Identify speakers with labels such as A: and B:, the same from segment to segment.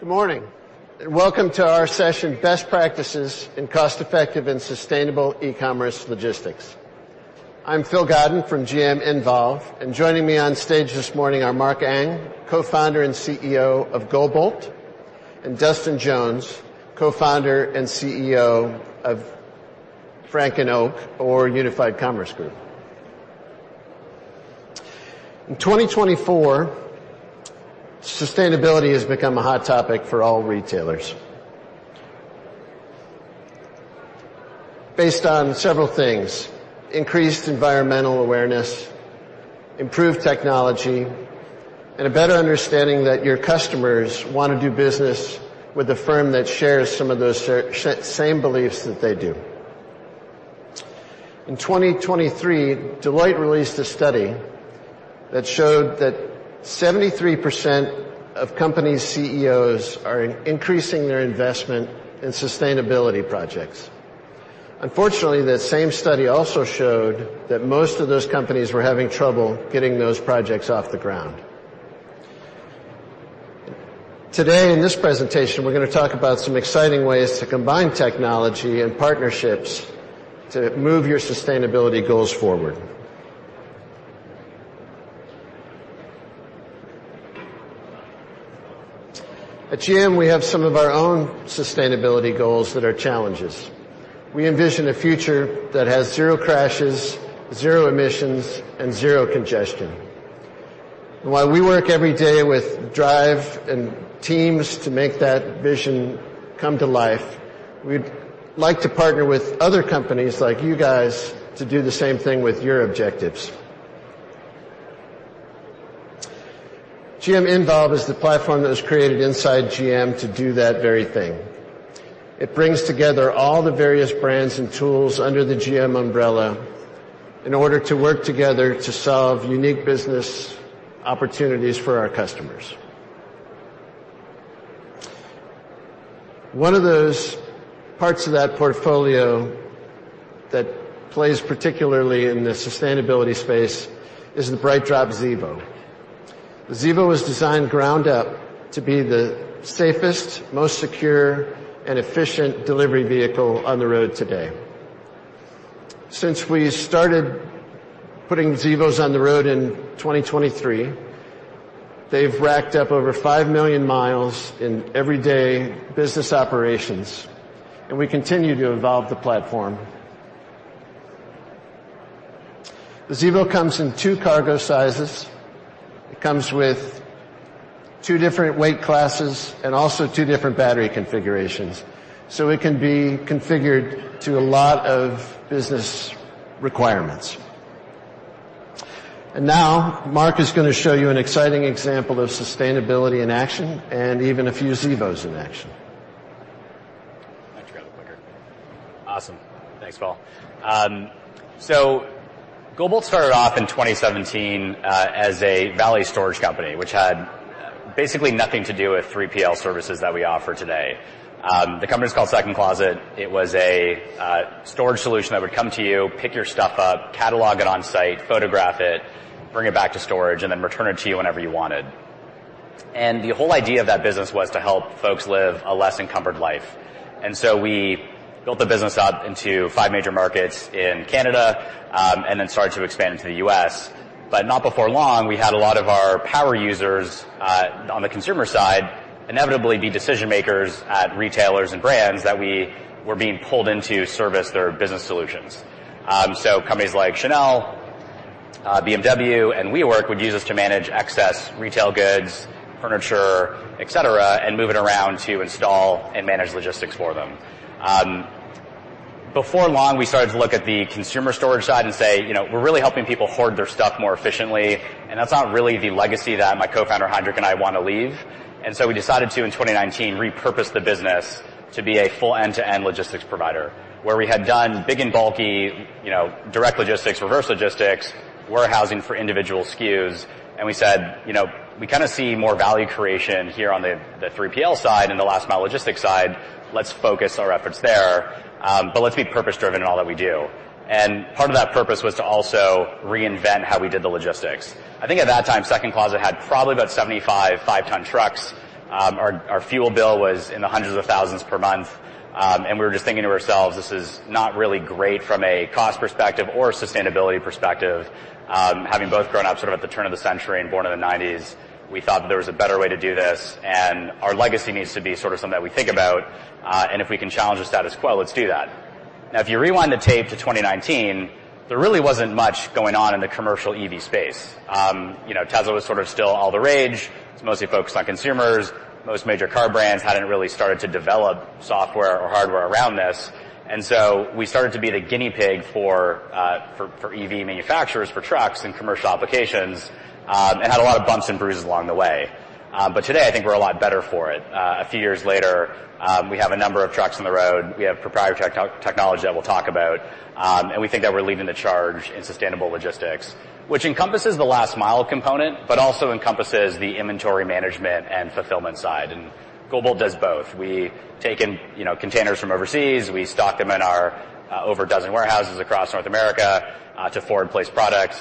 A: Good morning, and welcome to our session: Best Practices in Cost-Effective and Sustainable E-commerce Logistics. I'm Phil Godden from GM Envolve, and joining me on stage this morning are Mark Ang, Co-founder and CEO of GoBolt, and Dustin Jones, Co-founder and CEO of Frank And Oak, or Unified Commerce Group. In 2024, sustainability has become a hot topic for all retailers based on several things: increased environmental awareness, improved technology, and a better understanding that your customers want to do business with a firm that shares some of those same beliefs that they do. In 2023, Deloitte released a study that showed that 73% of company CEOs are increasing their investment in sustainability projects. Unfortunately, that same study also showed that most of those companies were having trouble getting those projects off the ground. Today, in this presentation, we're gonna talk about some exciting ways to combine technology and partnerships to move your sustainability goals forward. At GM, we have some of our own sustainability goals that are challenges. We envision a future that has zero crashes, zero emissions, and zero congestion. While we work every day with drive and teams to make that vision come to life, we'd like to partner with other companies like you guys to do the same thing with your objectives. GM Envolve is the platform that was created inside GM to do that very thing. It brings together all the various brands and tools under the GM umbrella in order to work together to solve unique business opportunities for our customers. One of those parts of that portfolio that plays particularly in the sustainability space is the BrightDrop Zevo. The Zevo was designed ground up to be the safest, most secure, and efficient delivery vehicle on the road today. Since we started putting Zevos on the road in 2023, they've racked up over 5 million miles in everyday business operations, and we continue to evolve the platform. The Zevo comes in two cargo sizes. It comes with two different weight classes and also two different battery configurations, so it can be configured to a lot of business requirements. And now, Mark is gonna show you an exciting example of sustainability in action and even a few Zevos in action.
B: I have to grab the clicker. Awesome. Thanks, Phil. So GoBolt started off in 2017 as a valet storage company, which had basically nothing to do with 3PL services that we offer today. The company's called Second Closet. It was a storage solution that would come to you, pick your stuff up, catalog it on-site, photograph it, bring it back to storage, and then return it to you whenever you wanted. The whole idea of that business was to help folks live a less encumbered life. So we built the business out into five major markets in Canada and then started to expand into the U.S. Not before long, we had a lot of our power users on the consumer side inevitably be decision makers at retailers and brands that we were being pulled in to service their business solutions. So companies like Chanel, BMW, and WeWork would use us to manage excess retail goods, furniture, et cetera, and move it around to install and manage logistics for them. Before long, we started to look at the consumer storage side and say, "You know, we're really helping people hoard their stuff more efficiently, and that's not really the legacy that my Co-founder, Heindrik, and I want to leave." And so we decided to, in 2019, repurpose the business to be a full end-to-end logistics provider, where we had done big and bulky, you know, direct logistics, reverse logistics, warehousing for individual SKUs, and we said, "You know, we kinda see more value creation here on the, the 3PL side and the last-mile logistics side. Let's focus our efforts there, but let's be purpose-driven in all that we do." Part of that purpose was to also reinvent how we did the logistics. I think at that time, Second Closet had probably about 75 five-ton trucks. Our fuel bill was CAD hundreds of thousands per month, and we were just thinking to ourselves: This is not really great from a cost perspective or a sustainability perspective. Having both grown up sort of at the turn of the century and born in the nineties, we thought that there was a better way to do this, and our legacy needs to be sort of something that we think about, and if we can challenge the status quo, let's do that. Now, if you rewind the tape to 2019, there really wasn't much going on in the commercial EV space. You know, Tesla was sort of still all the rage. It's mostly focused on consumers. Most major car brands hadn't really started to develop software or hardware around this. And so we started to be the guinea pig for EV manufacturers, for trucks and commercial applications, and had a lot of bumps and bruises along the way. But today, I think we're a lot better for it. A few years later, we have a number of trucks on the road, we have proprietary tech-technology that we'll talk about, and we think that we're leading the charge in sustainable logistics, which encompasses the last mile component, but also encompasses the inventory management and fulfillment side, and GoBolt does both. We take in, you know, containers from overseas, we stock them in our, over a dozen warehouses across North America, to forward-place products,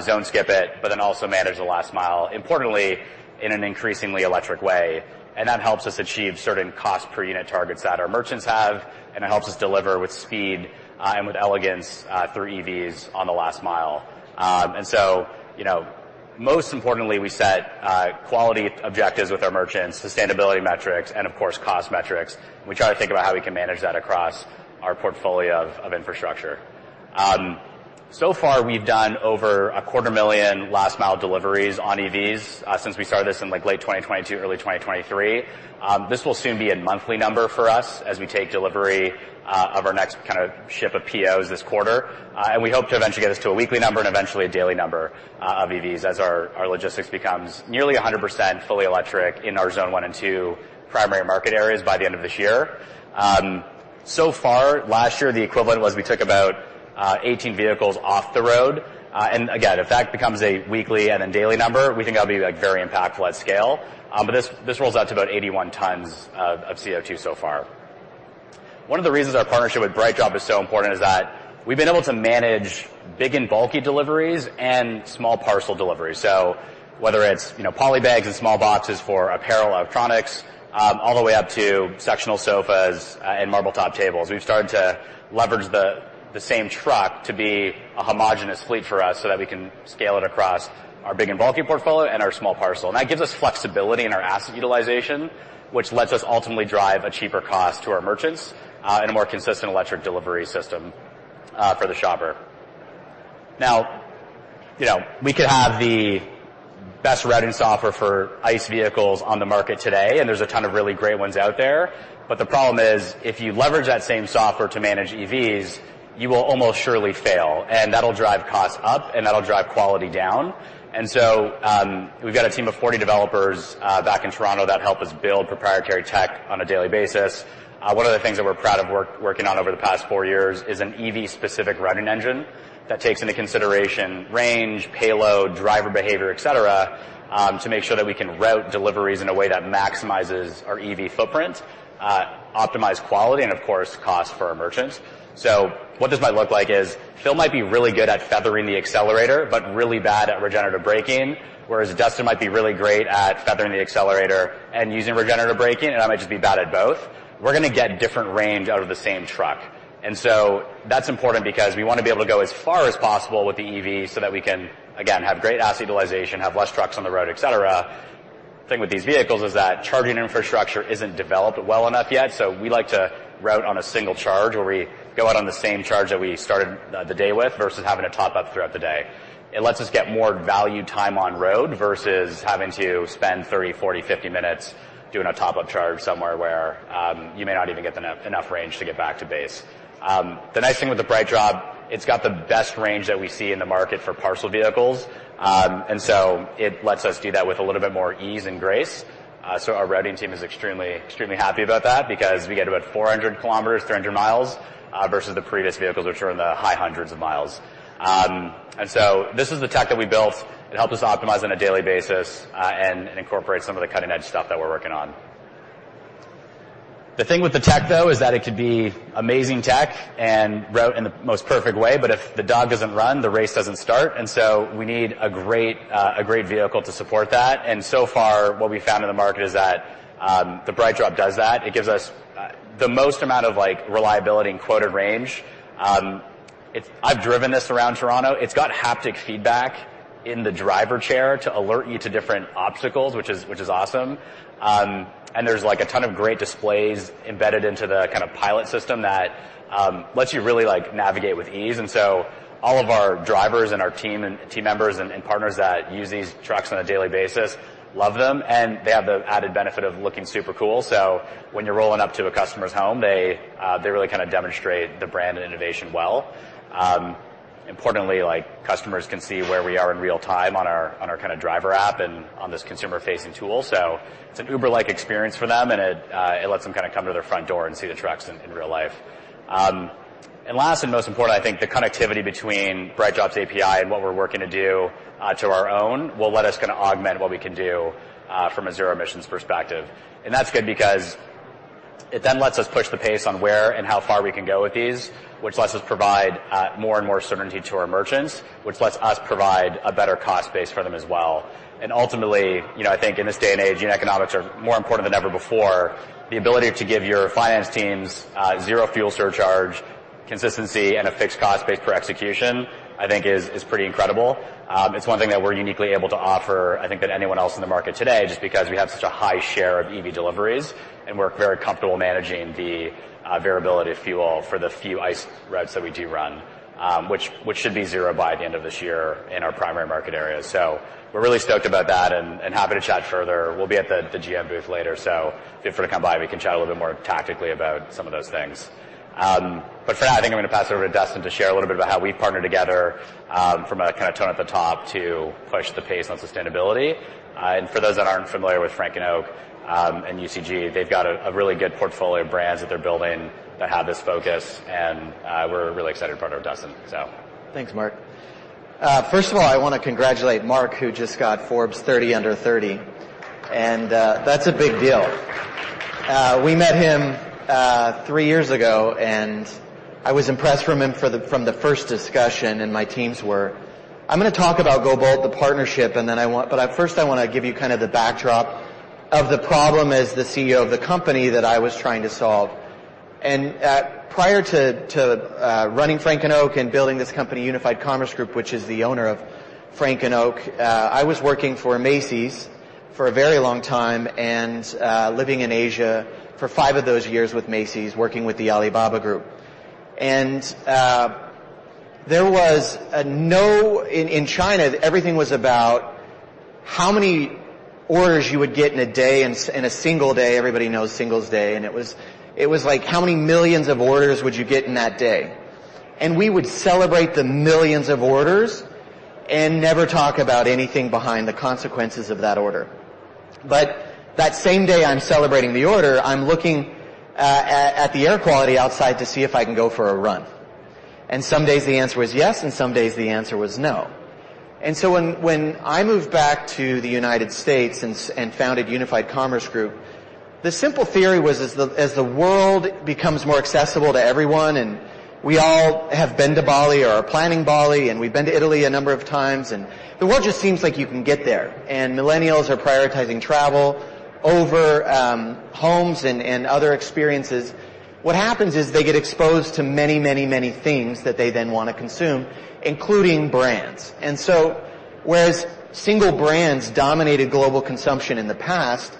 B: zone skip it, but then also manage the last mile, importantly, in an increasingly electric way. And that helps us achieve certain cost per unit targets that our merchants have, and it helps us deliver with speed, and with elegance, through EVs on the last mile. Most importantly, we set quality objectives with our merchants, sustainability metrics, and of course, cost metrics. We try to think about how we can manage that across our portfolio of infrastructure. So far, we've done over 250,000 last-mile deliveries on EVs, since we started this in, like, late 2022, early 2023. This will soon be a monthly number for us as we take delivery of our next kind of ship of POs this quarter. We hope to eventually get this to a weekly number and eventually a daily number of EVs as our logistics becomes nearly 100% fully electric in our zone one and two primary market areas by the end of this year. So far, last year, the equivalent was we took about 18 vehicles off the road. Again, if that becomes a weekly and a daily number, we think that'll be, like, very impactful at scale. This rolls out to about 81 tons of CO2 so far. One of the reasons our partnership with BrightDrop is so important is that we've been able to manage big and bulky deliveries and small parcel deliveries. So whether it's, you know, poly bags and small boxes for apparel, electronics, all the way up to sectional sofas, and marble top tables, we've started to leverage the same truck to be a homogeneous fleet for us so that we can scale it across our big and bulky portfolio and our small parcel. And that gives us flexibility in our asset utilization, which lets us ultimately drive a cheaper cost to our merchants, and a more consistent electric delivery system, for the shopper. Now, you know, we could have the best routing software for ICE vehicles on the market today, and there's a ton of really great ones out there, but the problem is, if you leverage that same software to manage EVs, you will almost surely fail, and that'll drive costs up, and that'll drive quality down. We've got a team of 40 developers back in Toronto that help us build proprietary tech on a daily basis. One of the things that we're proud of working on over the past 4 years is an EV-specific routing engine that takes into consideration range, payload, driver behavior, et cetera, to make sure that we can route deliveries in a way that maximizes our EV footprint, optimize quality, and of course, cost for our merchants. What this might look like is, Phil might be really good at feathering the accelerator, but really bad at regenerative braking, whereas Dustin might be really great at feathering the accelerator and using regenerative braking, and I might just be bad at both. We're gonna get different range out of the same truck. That's important because we wanna be able to go as far as possible with the EV so that we can, again, have great asset utilization, have less trucks on the road, et cetera. The thing with these vehicles is that charging infrastructure isn't developed well enough yet, so we like to route on a single charge, where we go out on the same charge that we started, the day with, versus having to top up throughout the day. It lets us get more value time on road versus having to spend 30, 40, 50 minutes doing a top-up charge somewhere where, you may not even get enough range to get back to base. The nice thing with the BrightDrop, it's got the best range that we see in the market for parcel vehicles. And so it lets us do that with a little bit more ease and grace. So our routing team is extremely, extremely happy about that because we get about 400 km, 300 mi, versus the previous vehicles, which are in the high hundreds of miles. And so this is the tech that we built. It helped us optimize on a daily basis, and incorporate some of the cutting-edge stuff that we're working on. The thing with the tech, though, is that it could be amazing tech and route in the most perfect way, but if the dog doesn't run, the race doesn't start, and so we need a great, a great vehicle to support that. And so far, what we found in the market is that the BrightDrop does that. It gives us the most amount of, like, reliability and quoted range. It's. I've driven this around Toronto. It's got haptic feedback in the driver chair to alert you to different obstacles, which is awesome. And there's, like, a ton of great displays embedded into the kind of pilot system that lets you really, like, navigate with ease. And so all of our drivers and our team and team members and partners that use these trucks on a daily basis love them, and they have the added benefit of looking super cool. So when you're rolling up to a customer's home, they really kinda demonstrate the brand and innovation well. Importantly, like, customers can see where we are in real time on our kinda driver app and on this consumer-facing tool. So it's an Uber-like experience for them, and it, it lets them kinda come to their front door and see the trucks in real life. And last and most important, I think the connectivity between BrightDrop's API and what we're working to do, to our own, will let us kinda augment what we can do, from a zero emissions perspective. And that's good because it then lets us push the pace on where and how far we can go with these, which lets us provide, more and more certainty to our merchants, which lets us provide a better cost base for them as well. And ultimately, you know, I think in this day and age, unit economics are more important than ever before. The ability to give your finance teams zero fuel surcharge, consistency, and a fixed cost base per execution, I think is pretty incredible. It's one thing that we're uniquely able to offer, I think, than anyone else in the market today, just because we have such a high share of EV deliveries, and we're very comfortable managing the variability of fuel for the few ICE routes that we do run, which should be zero by the end of this year in our primary market area. So we're really stoked about that and happy to chat further. We'll be at the GM booth later, so feel free to come by, and we can chat a little bit more tactically about some of those things. But for now, I think I'm gonna pass it over to Dustin to share a little bit about how we partner together, from a kinda tone at the top to push the pace on sustainability. And for those that aren't familiar with Frank And Oak, and UCG, they've got a really good portfolio of brands that they're building that have this focus, and we're really excited to partner with Dustin. So...
C: Thanks, Mark. First of all, I wanna congratulate Mark, who just got Forbes 30 Under 30, and that's a big deal. We met him three years ago, and I was impressed from him for the—from the first discussion, and my teams were. I'm gonna talk about GoBolt, the partnership, and then I want—but at first, I wanna give you kind of the backdrop of the problem as the CEO of the company that I was trying to solve. Prior to running Frank And Oak and building this company, Unified Commerce Group, which is the owner of Frank And Oak, I was working for Macy's for a very long time and living in Asia for five of those years with Macy's, working with the Alibaba Group. In China, everything was about how many orders you would get in a day, in a Singles Day. Everybody knows Singles Day, and it was like, how many millions of orders would you get in that day? We would celebrate the millions of orders and never talk about anything behind the consequences of that order. But that same day I'm celebrating the order, I'm looking at the air quality outside to see if I can go for a run, and some days the answer was yes, and some days the answer was no. And so when I moved back to the United States and founded Unified Commerce Group, the simple theory was, as the world becomes more accessible to everyone, and we all have been to Bali or are planning Bali, and we've been to Italy a number of times, and the world just seems like you can get there, and millennials are prioritizing travel over homes and other experiences. What happens is they get exposed to many, many, many things that they then want to consume, including brands. And so whereas single brands dominated global consumption in the past,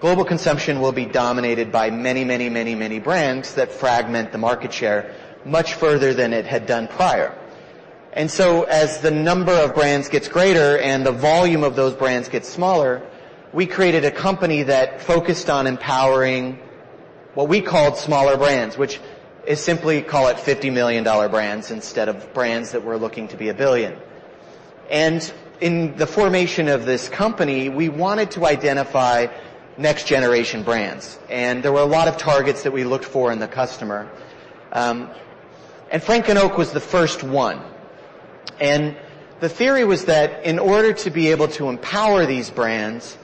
C: global consumption will be dominated by many, many, many, many brands that fragment the market share much further than it had done prior. So as the number of brands gets greater and the volume of those brands gets smaller, we created a company that focused on empowering what we called smaller brands, which is simply call it $50 million brands instead of brands that were looking to be a $1 billion. In the formation of this company, we wanted to identify next-generation brands, and there were a lot of targets that we looked for in the customer. Frank And Oak was the first one. The theory was that in order to be able to empower these brands,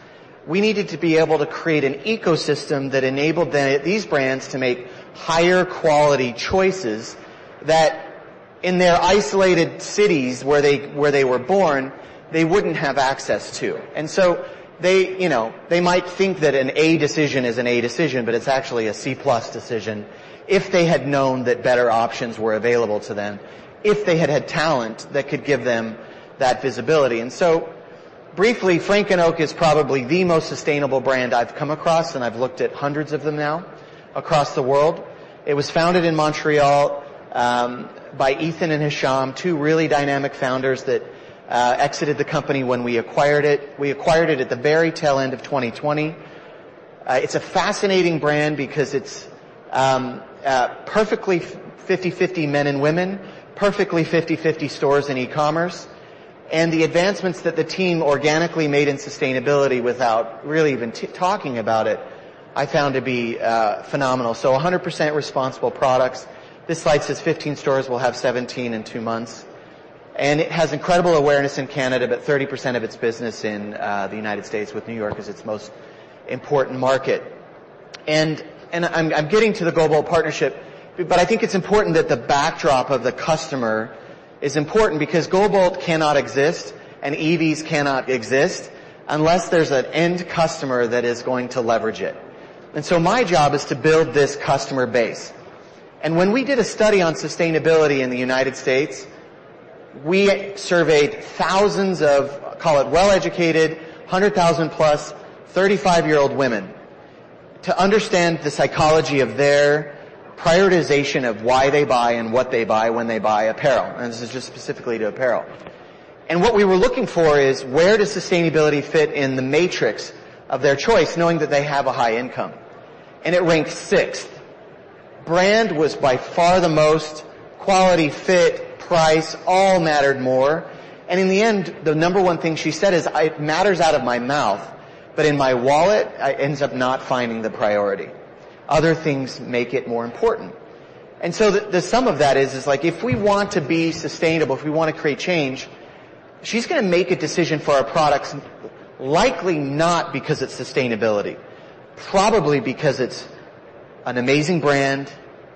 C: we needed to be able to create an ecosystem that enabled these brands to make higher quality choices that in their isolated cities where they were born, they wouldn't have access to. They, you know, might think that an A decision is an A decision, but it's actually a C-plus decision if they had known that better options were available to them, if they had had talent that could give them that visibility. Briefly, Frank And Oak is probably the most sustainable brand I've come across, and I've looked at hundreds of them now across the world. It was founded in Montreal by Ethan and Hicham, two really dynamic founders that exited the company when we acquired it. We acquired it at the very tail end of 2020. It's a fascinating brand because it's perfectly 50/50 men and women, perfectly 50/50 stores and e-commerce, and the advancements that the team organically made in sustainability without really even talking about it, I found to be phenomenal. So 100% responsible products. This slide says 15 stores, we'll have 17 in two months, and it has incredible awareness in Canada, about 30% of its business in, the United States, with New York as its most important market. And, and I'm, I'm getting to the GoBolt partnership, but I think it's important that the backdrop of the customer is important because GoBolt cannot exist, and EVs cannot exist unless there's an end customer that is going to leverage it. And so my job is to build this customer base. And when we did a study on sustainability in the United States, we surveyed thousands of, call it well-educated, 100,000+, 35-year-old women, to understand the psychology of their prioritization of why they buy and what they buy when they buy apparel, and this is just specifically to apparel. What we were looking for is: where does sustainability fit in the matrix of their choice, knowing that they have a high income? It ranked sixth. Brand was by far the most, quality, fit, price, all mattered more, and in the end, the number one thing she said is, "It matters out of my mouth, but in my wallet, I ends up not finding the priority. Other things make it more important." And so the sum of that is like, if we want to be sustainable, if we want to create change, she's gonna make a decision for our products, likely not because it's sustainability, probably because it's an amazing brand,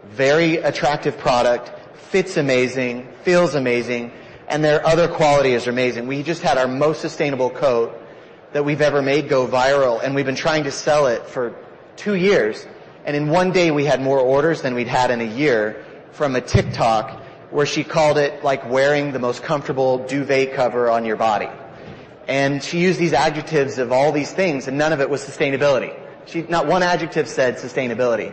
C: very attractive product, fits amazing, feels amazing, and their other quality is amazing. We just had our most sustainable coat that we've ever made go viral, and we've been trying to sell it for two years, and in one day, we had more orders than we'd had in a year from a TikTok, where she called it, "Like wearing the most comfortable duvet cover on your body." And she used these adjectives of all these things, and none of it was sustainability. She... Not one adjective said sustainability,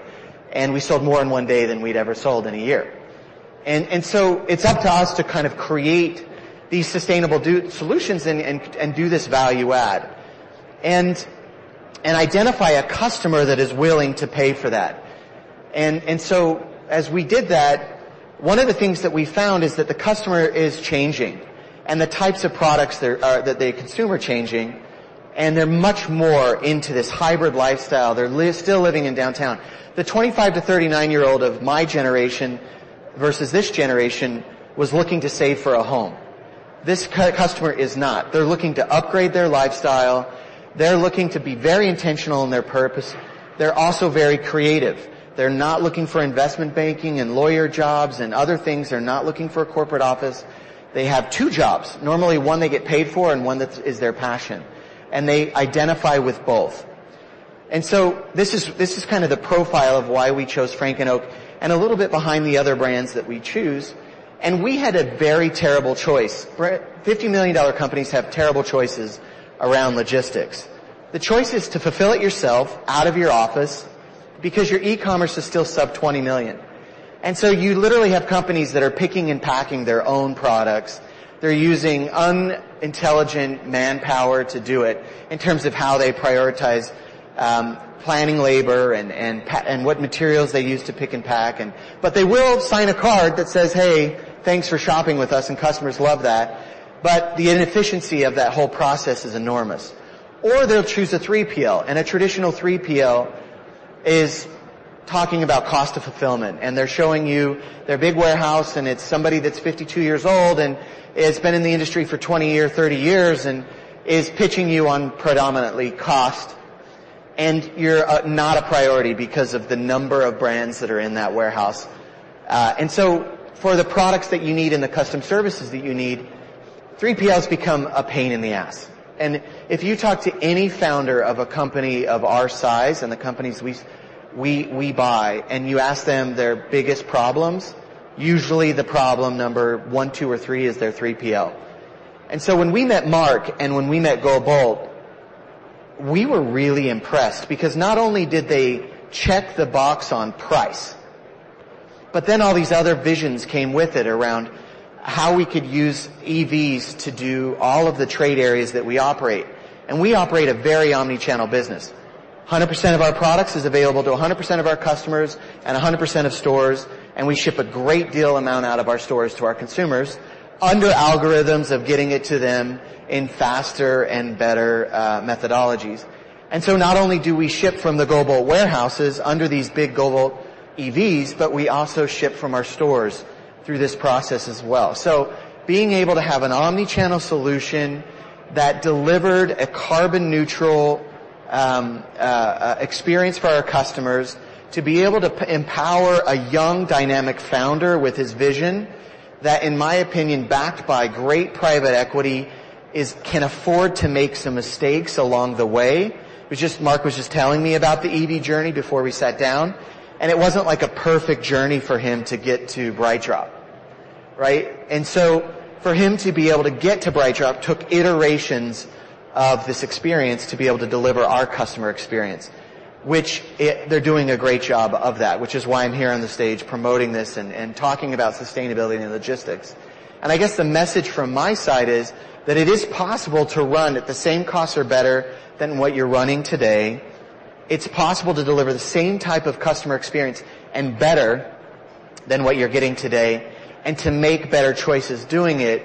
C: and we sold more in one day than we'd ever sold in a year. And so it's up to us to kind of create these sustainable solutions and do this value add and identify a customer that is willing to pay for that. So as we did that, one of the things that we found is that the customer is changing, and the types of products they're that they consume are changing, and they're much more into this hybrid lifestyle. They're still living in downtown. The 25-39-year-old of my generation versus this generation was looking to save for a home. This customer is not. They're looking to upgrade their lifestyle. They're looking to be very intentional in their purpose. They're also very creative. They're not looking for investment banking and lawyer jobs and other things. They're not looking for a corporate office. They have two jobs, normally one they get paid for and one that's their passion, and they identify with both. This is kind of the profile of why we chose Frank And Oak, and a little bit behind the other brands that we choose. We had a very terrible choice. $50 million companies have terrible choices around logistics. The choice is to fulfill it yourself out of your office because your e-commerce is still sub $20 million. You literally have companies that are picking and packing their own products. They're using unintelligent manpower to do it in terms of how they prioritize planning labor and what materials they use to pick and pack—but they will sign a card that says, "Hey, thanks for shopping with us," and customers love that, but the inefficiency of that whole process is enormous. Or they'll choose a 3PL, and a traditional 3PL is talking about cost of fulfillment, and they're showing you their big warehouse, and it's somebody that's 52 years old and has been in the industry for 20 years, 30 years, and is pitching you on predominantly cost. And you're not a priority because of the number of brands that are in that warehouse. And so for the products that you need and the custom services that you need, 3PLs become a pain in the ass. And if you talk to any founder of a company of our size and the companies we buy, and you ask them their biggest problems, usually the problem number one, two, or three is their 3PL. And so when we met Mark and when we met GoBolt, we were really impressed because not only did they check the box on price, but then all these other visions came with it around how we could use EVs to do all of the trade areas that we operate. And we operate a very omni-channel business. 100% of our products is available to 100% of our customers and 100% of stores, and we ship a great deal amount out of our stores to our consumers under algorithms of getting it to them in faster and better, methodologies. And so not only do we ship from the GoBolt warehouses under these big GoBolt EVs, but we also ship from our stores through this process as well. So being able to have an omni-channel solution that delivered a carbon-neutral experience for our customers, to be able to empower a young, dynamic founder with his vision, that, in my opinion, backed by great private equity, is can afford to make some mistakes along the way. We just Mark was just telling me about the EV journey before we sat down, and it wasn't like a perfect journey for him to get to BrightDrop, right? And so for him to be able to get to BrightDrop, took iterations of this experience to be able to deliver our customer experience, which it... They're doing a great job of that, which is why I'm here on the stage promoting this and, and talking about sustainability and logistics. I guess the message from my side is that it is possible to run at the same cost or better than what you're running today. It's possible to deliver the same type of customer experience and better than what you're getting today, and to make better choices doing it.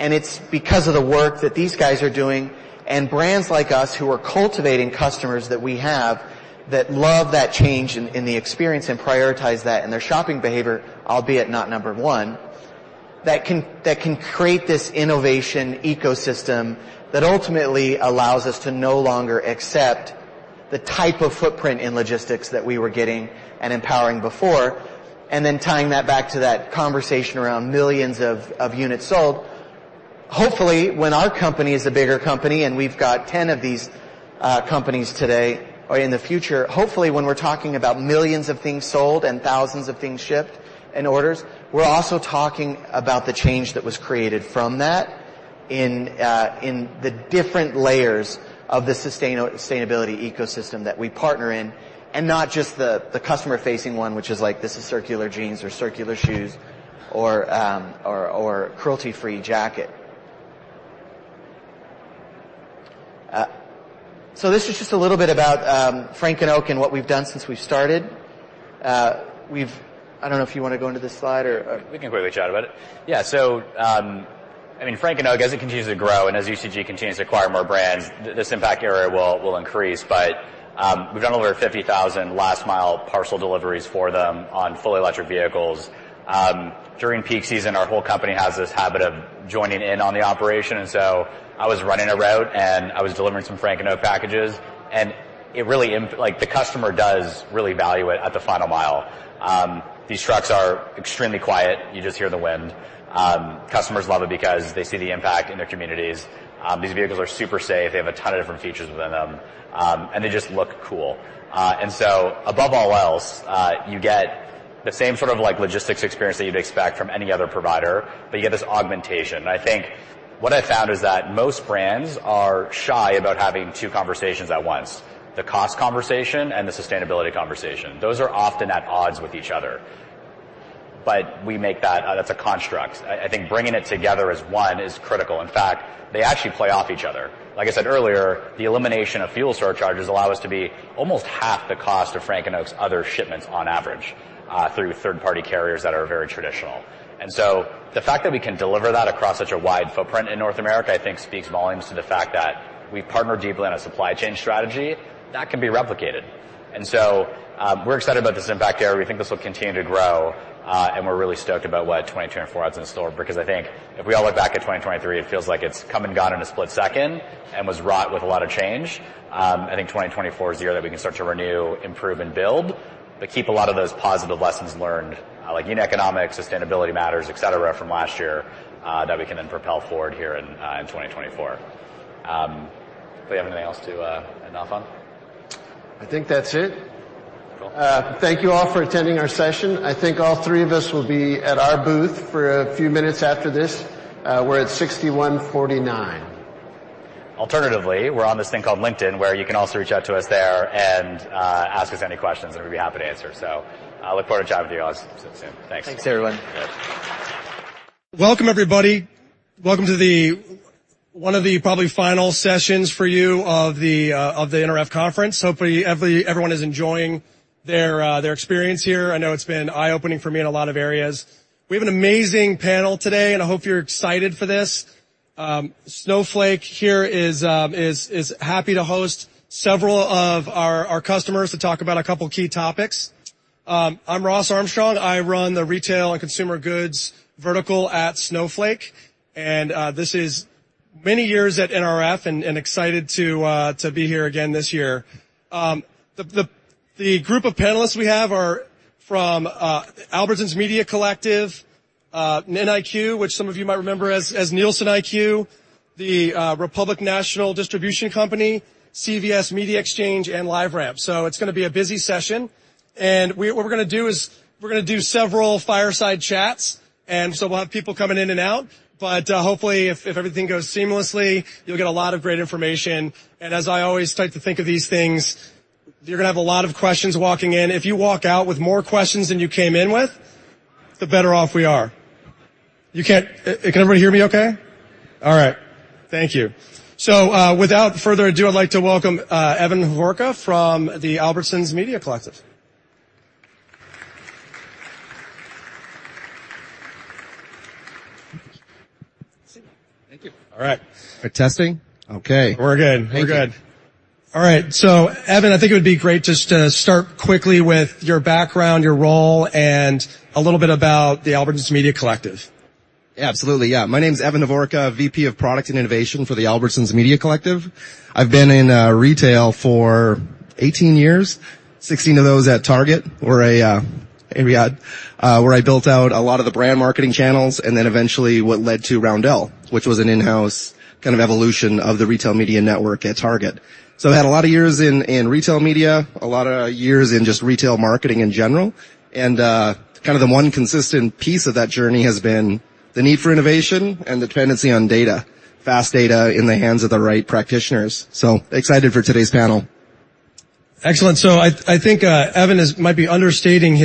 C: It's because of the work that these guys are doing and brands like us, who are cultivating customers that we have, that love that change in the experience and prioritize that in their shopping behavior, albeit not number one, that can create this innovation ecosystem that ultimately allows us to no longer accept the type of footprint in logistics that we were getting and empowering before. Then tying that back to that conversation around millions of units sold. Hopefully, when our company is a bigger company, and we've got 10 of these, companies today or in the future, hopefully, when we're talking about millions of things sold and thousands of things shipped and orders, we're also talking about the change that was created from that in, in the different layers of the sustainability ecosystem that we partner in, and not just the, the customer-facing one, which is like, this is circular jeans or circular shoes, or, or cruelty-free jacket. So this is just a little bit about Frank and Oak and what we've done since we've started. We've-- I don't know if you want to go into this slide or,
B: We can quickly chat about it. Yeah, so, I mean, Frank And Oak, as it continues to grow and as UCG continues to acquire more brands, this impact area will increase. But, we've done over 50,000 last-mile parcel deliveries for them on fully electric vehicles. During peak season, our whole company has this habit of joining in on the operation, and so I was running a route, and I was delivering some Frank And Oak packages, and it really like, the customer does really value it at the final mile. These trucks are extremely quiet. You just hear the wind. Customers love it because they see the impact in their communities. These vehicles are super safe. They have a ton of different features within them, and they just look cool. And so above all else, you get the same sort of like logistics experience that you'd expect from any other provider, but you get this augmentation. And I think what I found is that most brands are shy about having two conversations at once: the cost conversation and the sustainability conversation. Those are often at odds with each other, but we make that, that's a construct. I think bringing it together as one is critical. In fact, they actually play off each other. Like I said earlier, the elimination of fuel surcharges allow us to be almost half the cost of Frank And Oak's other shipments on average, through third-party carriers that are very traditional. The fact that we can deliver that across such a wide footprint in North America, I think speaks volumes to the fact that we've partnered deeply on a supply chain strategy that can be replicated. We're excited about this impact area. We think this will continue to grow, and we're really stoked about what 2024 has in store, because I think if we all look back at 2023, it feels like it's come and gone in a split second and was wrought with a lot of change. I think 2024 is the year that we can start to renew, improve, and build, but keep a lot of those positive lessons learned, like unit economics, sustainability matters, etc., from last year, that we can then propel forward here in, in 2024. Do we have anything else to add off on?
A: I think that's it. Thank you all for attending our session. I think all three of us will be at our booth for a few minutes after this. We're at 6149.
B: Alternatively, we're on this thing called LinkedIn, where you can also reach out to us there and, ask us any questions, and we'd be happy to answer. So I look forward to chatting with you all soon. Thanks.
C: Thanks, everyone.
D: Welcome, everybody. Welcome to the, one of the probably final sessions for you of the, of the NRF conference. Hopefully, everyone is enjoying their experience here. I know it's been eye-opening for me in a lot of areas. We have an amazing panel today, and I hope you're excited for this. Snowflake here is happy to host several of our customers to talk about a couple of key topics. I'm Ross Armstrong. I run the retail and consumer goods vertical at Snowflake, and this is many years at NRF and excited to be here again this year. The group of panelists we have are from Albertsons Media Collective, NIQ, which some of you might remember as NielsenIQ, the Republic National Distributing Company, CVS Media Exchange, and LiveRamp. So it's gonna be a busy session, and what we're gonna do is we're gonna do several fireside chats, and so we'll have people coming in and out. But, hopefully, if everything goes seamlessly, you'll get a lot of great information, and as I always like to think of these things, you're gonna have a lot of questions walking in. If you walk out with more questions than you came in with, the better off we are. Can everybody hear me okay? All right. Thank you. So, without further ado, I'd like to welcome Evan Hovorka from the Albertsons Media Collective.
E: Thank you.
D: All right.
E: Testing. Okay.
D: We're good. We're good.
E: We're good.
D: All right, so, Evan, I think it would be great just to start quickly with your background, your role, and a little bit about the Albertsons Media Collective.
E: Absolutely, yeah. My name is Evan Hovorka, VP of Product and Innovation for the Albertsons Media Collective. I've been in retail for 18 years, 16 of those at Target, where I built out a lot of the brand marketing channels, and then eventually, what led to Roundel, which was an in-house kind of evolution of the retail media network at Target. So I've had a lot of years in retail media, a lot of years in just retail marketing in general, and kind of the one consistent piece of that journey has been the need for innovation and the dependency on data, fast data in the hands of the right practitioners. So excited for today's panel.
D: Excellent. I think Evan might be understating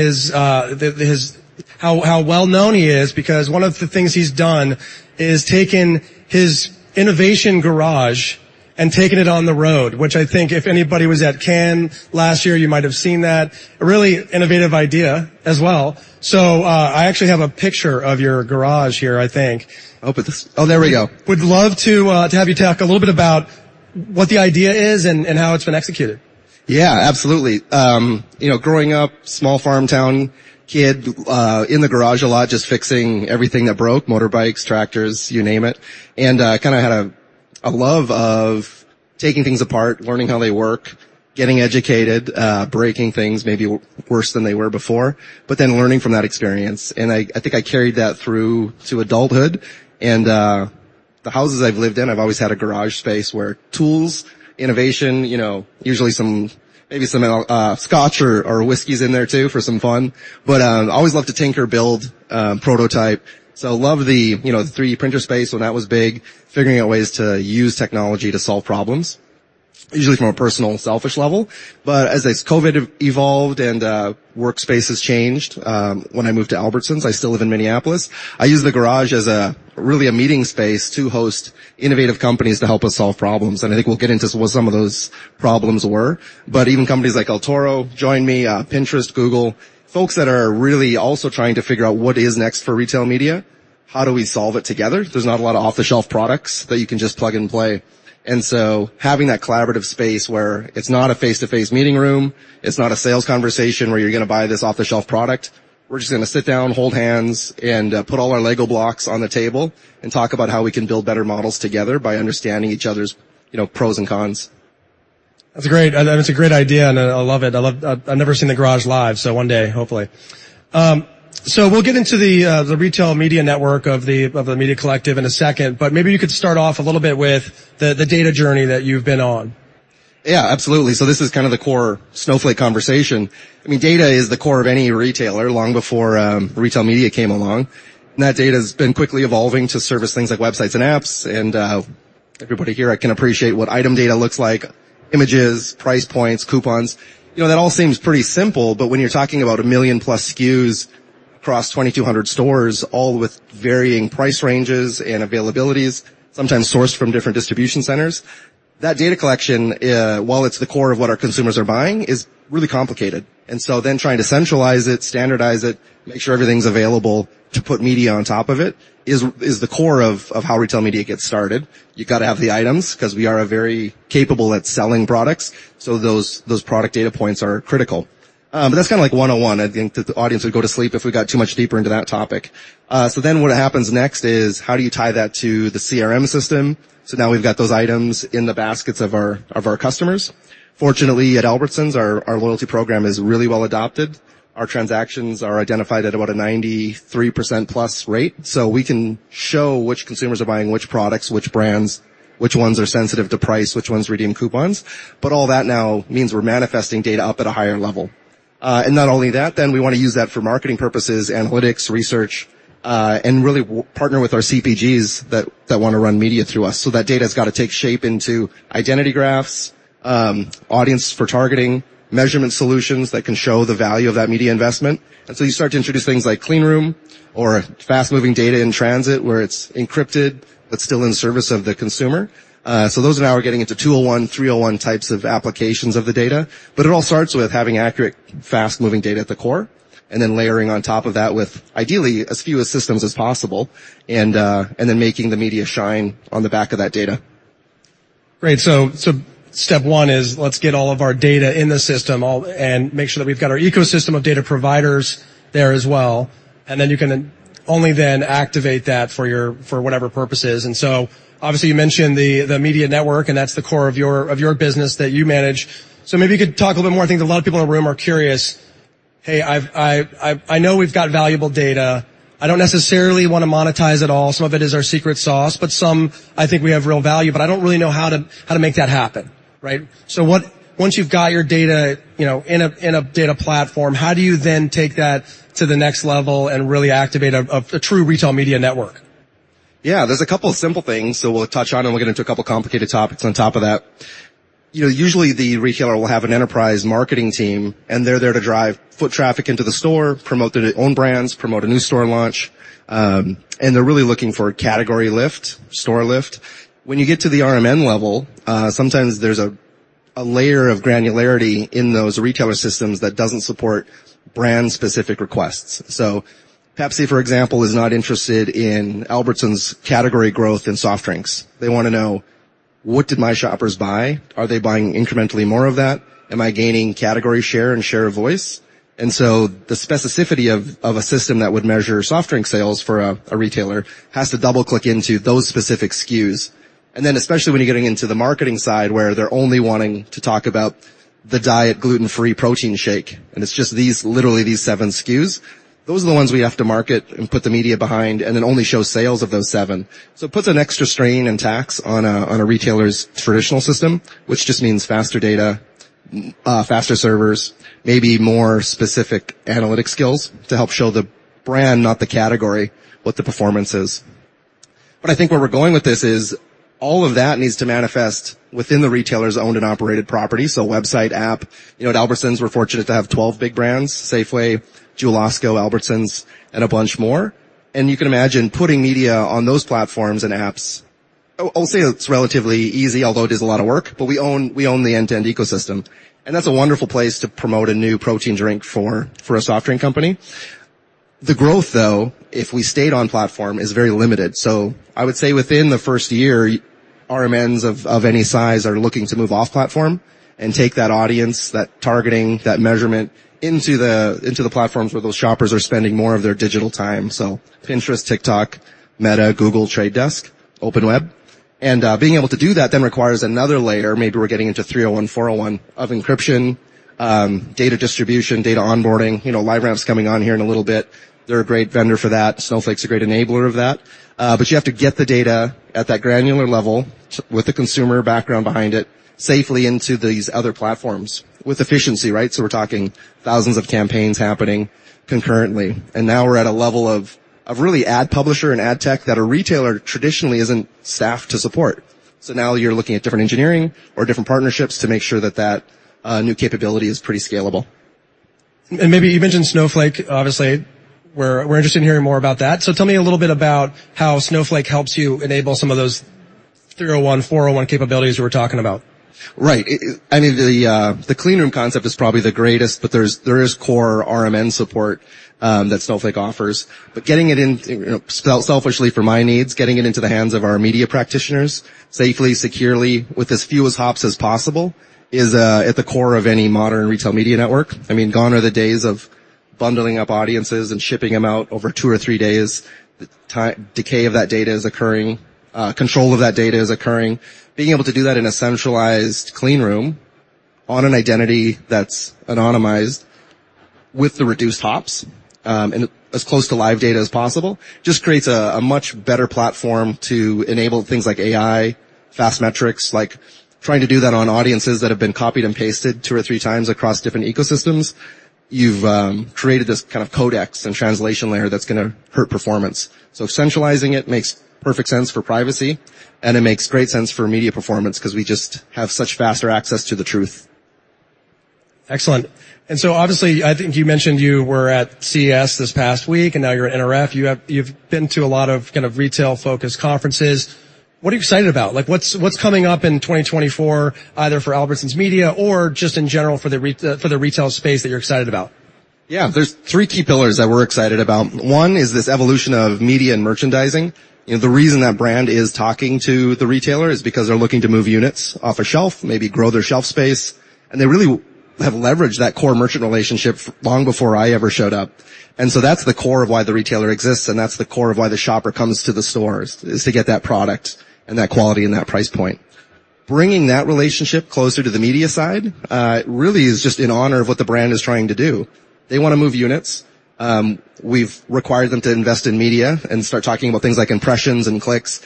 D: how well known he is, because one of the things he's done is taken his innovation garage and taken it on the road, which I think if anybody was at Cannes last year, you might have seen that. A really innovative idea as well. So, I actually have a picture of your garage here, I think.
E: I hope it's... Oh, there we go.
D: Would love to have you talk a little bit about what the idea is and how it's been executed.
E: Yeah, absolutely. You know, growing up, small farm town kid, in the garage a lot, just fixing everything that broke, motorbikes, tractors, you name it, and kind of had a love of taking things apart, learning how they work, getting educated, breaking things maybe worse than they were before, but then learning from that experience, and I think I carried that through to adulthood. And the houses I've lived in, I've always had a garage space where tools, innovation, you know, usually some scotch or whiskey's in there, too, for some fun. But I always loved to tinker, build, prototype. Loved the, you know, 3D printer space when that was big, figuring out ways to use technology to solve problems, usually from a personal, selfish level. But as COVID evolved and workspaces changed, when I moved to Albertsons, I still live in Minneapolis, I used the garage as really a meeting space to host innovative companies to help us solve problems, and I think we'll get into what some of those problems were. But even companies like El Toro, Join.me, Pinterest, Google, folks that are really also trying to figure out what is next for retail media. How do we solve it together? There's not a lot of off-the-shelf products that you can just plug and play. And so having that collaborative space where it's not a face-to-face meeting room, it's not a sales conversation where you're gonna buy this off-the-shelf product. We're just gonna sit down, hold hands, and put all our Lego blocks on the table and talk about how we can build better models together by understanding each other's, you know, pros and cons.
D: That's a great idea, and I love it. I've never seen the garage live, so one day, hopefully. So we'll get into the retail media network of the Media Collective in a second, but maybe you could start off a little bit with the data journey that you've been on.
E: Yeah, absolutely. So this is kind of the core Snowflake conversation. I mean, data is the core of any retailer, long before retail media came along, and that data's been quickly evolving to service things like websites and apps, and everybody here can appreciate what item data looks like: images, price points, coupons. You know, that all seems pretty simple, but when you're talking about a million-plus SKUs across 2,200 stores, all with varying price ranges and availabilities, sometimes sourced from different distribution centers, that data collection while it's the core of what our consumers are buying, is really complicated. And so then trying to centralize it, standardize it, make sure everything's available to put media on top of it, is the core of how retail media gets started. You got to have the items because we are very capable at selling products, so those, those product data points are critical. But that's kind of like one-on-one. I think the audience would go to sleep if we got too much deeper into that topic. So then what happens next is: how do you tie that to the CRM system? So now we've got those items in the baskets of our, of our customers. Fortunately, at Albertsons, our, our loyalty program is really well adopted. Our transactions are identified at about a 93%+ rate, so we can show which consumers are buying which products, which brands, which ones are sensitive to price, which ones redeem coupons. But all that now means we're manifesting data up at a higher level. And not only that, then we want to use that for marketing purposes, analytics, research, and really partner with our CPGs that want to run media through us. So that data's got to take shape into identity graphs, audience for targeting, measurement solutions that can show the value of that media investment. And so you start to introduce things like clean room or fast-moving data in transit, where it's encrypted, but still in service of the consumer. So those are, now we're getting into 201, 301 types of applications of the data. But it all starts with having accurate, fast-moving data at the core, and then layering on top of that with, ideally, as few systems as possible, and then making the media shine on the back of that data.
D: Great. So step one is let's get all of our data in the system and make sure that we've got our ecosystem of data providers there as well, and then you can only then activate that for your for whatever purposes. And so obviously, you mentioned the media network, and that's the core of your business that you manage. So maybe you could talk a little more. I think a lot of people in the room are curious. "Hey, I've I know we've got valuable data. I don't necessarily want to monetize it all. Some of it is our secret sauce, but some, I think we have real value, but I don't really know how to make that happen." Right? So once you've got your data, you know, in a data platform, how do you then take that to the next level and really activate a true retail media network?
E: Yeah, there's a couple of simple things, so we'll touch on, and we'll get into a couple complicated topics on top of that. You know, usually the retailer will have an enterprise marketing team, and they're there to drive foot traffic into the store, promote their own brands, promote a new store launch, and they're really looking for category lift, store lift. When you get to the RMN level, sometimes there's a layer of granularity in those retailer systems that doesn't support brand-specific requests. So Pepsi, for example, is not interested in Albertsons' category growth in soft drinks. They want to know: What did my shoppers buy? Are they buying incrementally more of that? Am I gaining category share and share a voice? And so the specificity of a system that would measure soft drink sales for a retailer has to double-click into those specific SKUs. And then, especially when you're getting into the marketing side, where they're only wanting to talk about the diet gluten-free protein shake, and it's just these, literally these seven SKUs. Those are the ones we have to market and put the media behind, and then only show sales of those seven. So it puts an extra strain and tax on a retailer's traditional system, which just means faster data, faster servers, maybe more specific analytic skills to help show the brand, not the category, what the performance is. But I think where we're going with this is all of that needs to manifest within the retailer's owned and operated property, so a website, app. You know, at Albertsons, we're fortunate to have 12 big brands, Safeway, Jewel-Osco, Albertsons, and a bunch more. And you can imagine putting media on those platforms and apps. I'll say it's relatively easy, although it is a lot of work, but we own, we own the end-to-end ecosystem, and that's a wonderful place to promote a new protein drink for, for a soft drink company. The growth, though, if we stayed on platform, is very limited. So I would say within the first year, RMNs of, of any size are looking to move off-platform and take that audience, that targeting, that measurement into the, into the platforms where those shoppers are spending more of their digital time. So Pinterest, TikTok, Meta, Google, Trade Desk, Open Web. And, being able to do that then requires another layer. Maybe we're getting into 301, 401 of encryption, data distribution, data onboarding. You know, LiveRamp is coming on here in a little bit. They're a great vendor for that. Snowflake's a great enabler of that. But you have to get the data at that granular level with the consumer background behind it, safely into these other platforms with efficiency, right? So we're talking thousands of campaigns happening concurrently. And now we're at a level of really ad publisher and ad tech that a retailer traditionally isn't staffed to support. So now you're looking at different engineering or different partnerships to make sure that new capability is pretty scalable.
D: Maybe you mentioned Snowflake. Obviously, we're, we're interested in hearing more about that. So tell me a little bit about how Snowflake helps you enable some of those 301, 401 capabilities you were talking about.
E: Right. I mean, the clean room concept is probably the greatest, but there is core RMN support that Snowflake offers. But getting it in, you know, selfishly for my needs, getting it into the hands of our media practitioners, safely, securely, with as few hops as possible, is at the core of any modern retail media network. I mean, gone are the days of bundling up audiences and shipping them out over two or three days. Time decay of that data is occurring, control of that data is occurring. Being able to do that in a centralized, clean room on an identity that's anonymized with the reduced hops, and as close to live data as possible, just creates a much better platform to enable things like AI, fast metrics. Like, trying to do that on audiences that have been copied and pasted two or three times across different ecosystems, you've created this kind of codecs and translation layer that's gonna hurt performance. So centralizing it makes perfect sense for privacy, and it makes great sense for media performance because we just have such faster access to the truth.
D: Excellent. So, obviously, I think you mentioned you were at CES this past week, and now you're at NRF. You have... You've been to a lot of kind of retail-focused conferences. What are you excited about? Like, what's, what's coming up in 2024, either for Albertsons Media or just in general for the retail space that you're excited about?
E: Yeah, there's three key pillars that we're excited about. One is this evolution of media and merchandising. You know, the reason that brand is talking to the retailer is because they're looking to move units off a shelf, maybe grow their shelf space, and they really have leveraged that core merchant relationship long before I ever showed up. And so that's the core of why the retailer exists, and that's the core of why the shopper comes to the stores, is to get that product and that quality and that price point. Bringing that relationship closer to the media side, really is just in honor of what the brand is trying to do. They want to move units. We've required them to invest in media and start talking about things like impressions and clicks....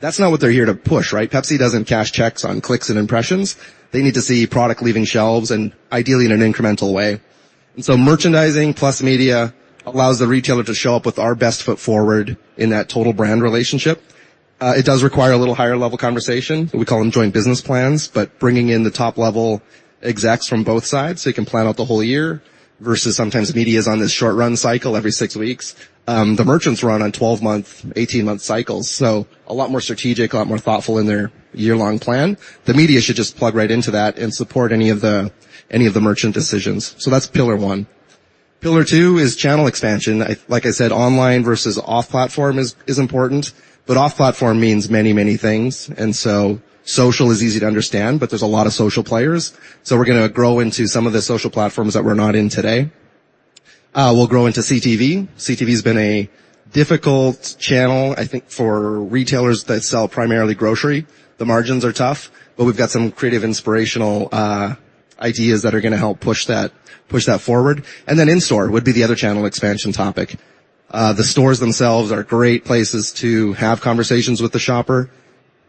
E: That's not what they're here to push, right? Pepsi doesn't cash checks on clicks and impressions. They need to see product leaving shelves and ideally in an incremental way. And so merchandising plus media allows the retailer to show up with our best foot forward in that total brand relationship. It does require a little higher level conversation. We call them joint business plans, but bringing in the top-level execs from both sides, so they can plan out the whole year, versus sometimes media is on this short run cycle every six weeks. The merchants run on 12-month, 18-month cycles, so a lot more strategic, a lot more thoughtful in their year-long plan. The media should just plug right into that and support any of the, any of the merchant decisions. So that's pillar one. Pillar two is channel expansion. Like I said, online versus off-platform is, is important, but off-platform means many, many things, and so social is easy to understand, but there's a lot of social players. So we're gonna grow into some of the social platforms that we're not in today. We'll grow into CTV. CTV has been a difficult channel, I think, for retailers that sell primarily grocery. The margins are tough, but we've got some creative, inspirational ideas that are gonna help push that, push that forward. And then in-store would be the other channel expansion topic. The stores themselves are great places to have conversations with the shopper.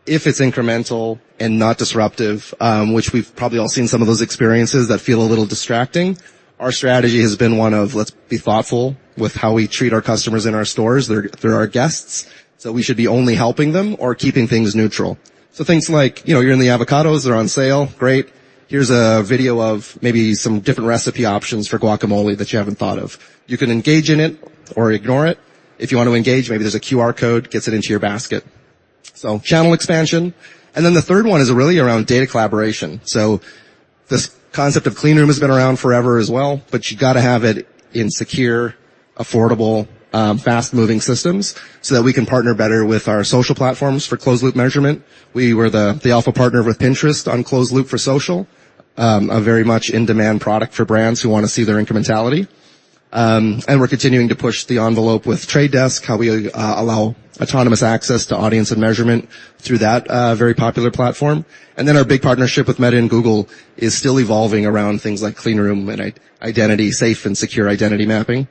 E: If it's incremental and not disruptive, which we've probably all seen some of those experiences that feel a little distracting. Our strategy has been one of let's be thoughtful with how we treat our customers in our stores. They're our guests, so we should be only helping them or keeping things neutral. So things like, you know, you're in the avocados, they're on sale, great. Here's a video of maybe some different recipe options for guacamole that you haven't thought of. You can engage in it or ignore it. If you want to engage, maybe there's a QR code, gets it into your basket. So channel expansion. And then the third one is really around data collaboration. So this concept of Clean Room has been around forever as well, but you got to have it in secure, affordable, fast-moving systems so that we can partner better with our social platforms for closed-loop measurement. We were the alpha partner with Pinterest on closed loop for social, a very much in-demand product for brands who want to see their incrementality. We're continuing to push the envelope with The Trade Desk, how we allow autonomous access to audience and measurement through that very popular platform. And then our big partnership with Meta and Google is still evolving around things like clean room and identity, safe and secure identity mapping,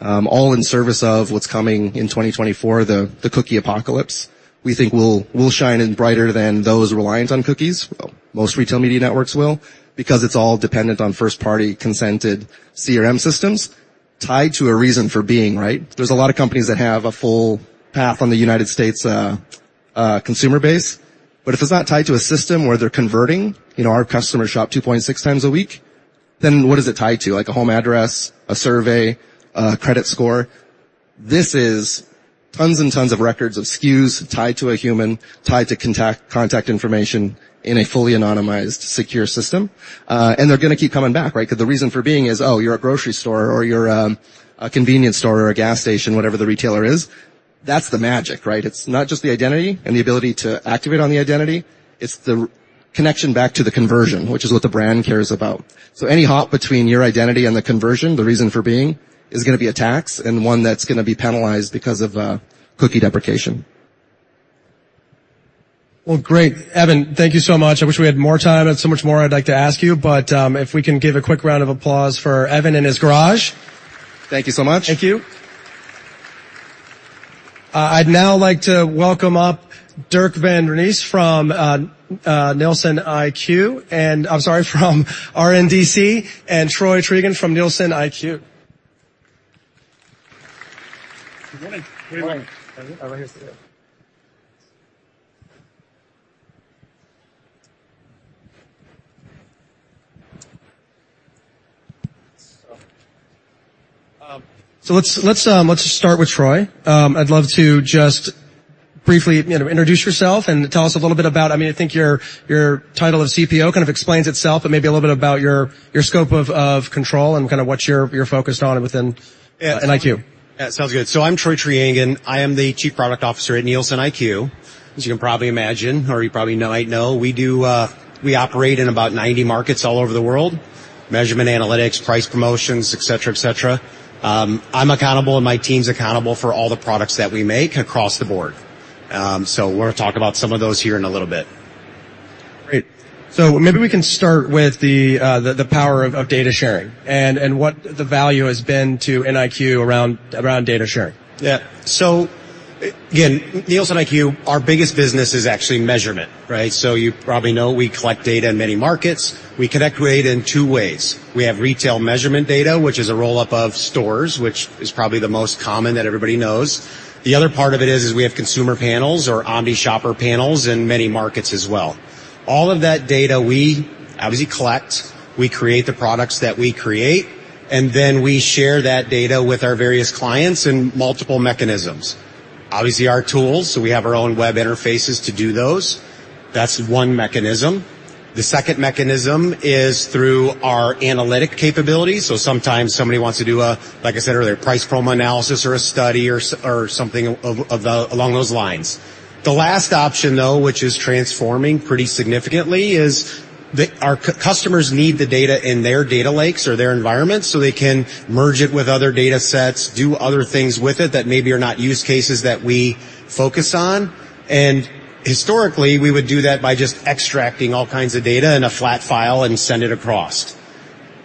E: all in service of what's coming in 2024, the cookie apocalypse. We think we'll shine brighter than those reliant on cookies. Well, most retail media networks will, because it's all dependent on first-party, consented CRM systems tied to a reason for being, right? There's a lot of companies that have a full path on the United States consumer base, but if it's not tied to a system where they're converting, you know, our customers shop 2.6x a week, then what is it tied to? Like, a home address, a survey, a credit score. This is tons and tons of records of SKUs tied to a human, tied to contact, contact information in a fully anonymized, secure system. And they're gonna keep coming back, right? Because the reason for being is, oh, you're a grocery store or you're a convenience store or a gas station, whatever the retailer is. That's the magic, right? It's not just the identity and the ability to activate on the identity, it's the connection back to the conversion, which is what the brand cares about. So any hop between your identity and the conversion, the reason for being, is gonna be a tax, and one that's gonna be penalized because of cookie deprecation.
D: Well, great. Evan, thank you so much. I wish we had more time. I have so much more I'd like to ask you, but if we can give a quick round of applause for Evan and his garage.
E: Thank you so much.
D: Thank you. I'd now like to welcome up Dirk van Renesse from NielsenIQ, and... I'm sorry, from RNDC, and Troy Treangen from NielsenIQ.
F: Good morning.
D: Good morning.
F: Over here.
D: So let's start with Troy. I'd love to just briefly, you know, introduce yourself and tell us a little bit about, I mean, I think your title of CPO kind of explains itself, but maybe a little bit about your scope of control and kind of what you're focused on within-
F: Yeah.
D: NIQ.
F: Yeah, sounds good. So I'm Troy Treangen. I am the Chief Product Officer at NielsenIQ. As you can probably imagine, or you probably might know, we do, we operate in about 90 markets all over the world. Measurement, analytics, price, promotions, et cetera, et cetera. I'm accountable, and my team's accountable for all the products that we make across the board. So we're gonna talk about some of those here in a little bit.
D: Great. So maybe we can start with the power of data sharing and what the value has been to NIQ around data sharing.
F: Yeah. So, again, NielsenIQ, our biggest business is actually measurement, right? So you probably know, we collect data in many markets. We collect data in two ways. We have retail measurement data, which is a roll-up of stores, which is probably the most common that everybody knows. The other part of it is we have consumer panels or omni shopper panels in many markets as well. All of that data we obviously collect, we create the products that we create, and then we share that data with our various clients in multiple mechanisms. Obviously, our tools, so we have our own web interfaces to do those. That's one mechanism. The second mechanism is through our analytic capabilities. So sometimes somebody wants to do a, like I said earlier, price promo analysis or a study or something along those lines. The last option, though, which is transforming pretty significantly, is the... Our customers need the data in their data lakes or their environment, so they can merge it with other datasets, do other things with it that maybe are not use cases that we focus on. And historically, we would do that by just extracting all kinds of data in a flat file and send it across....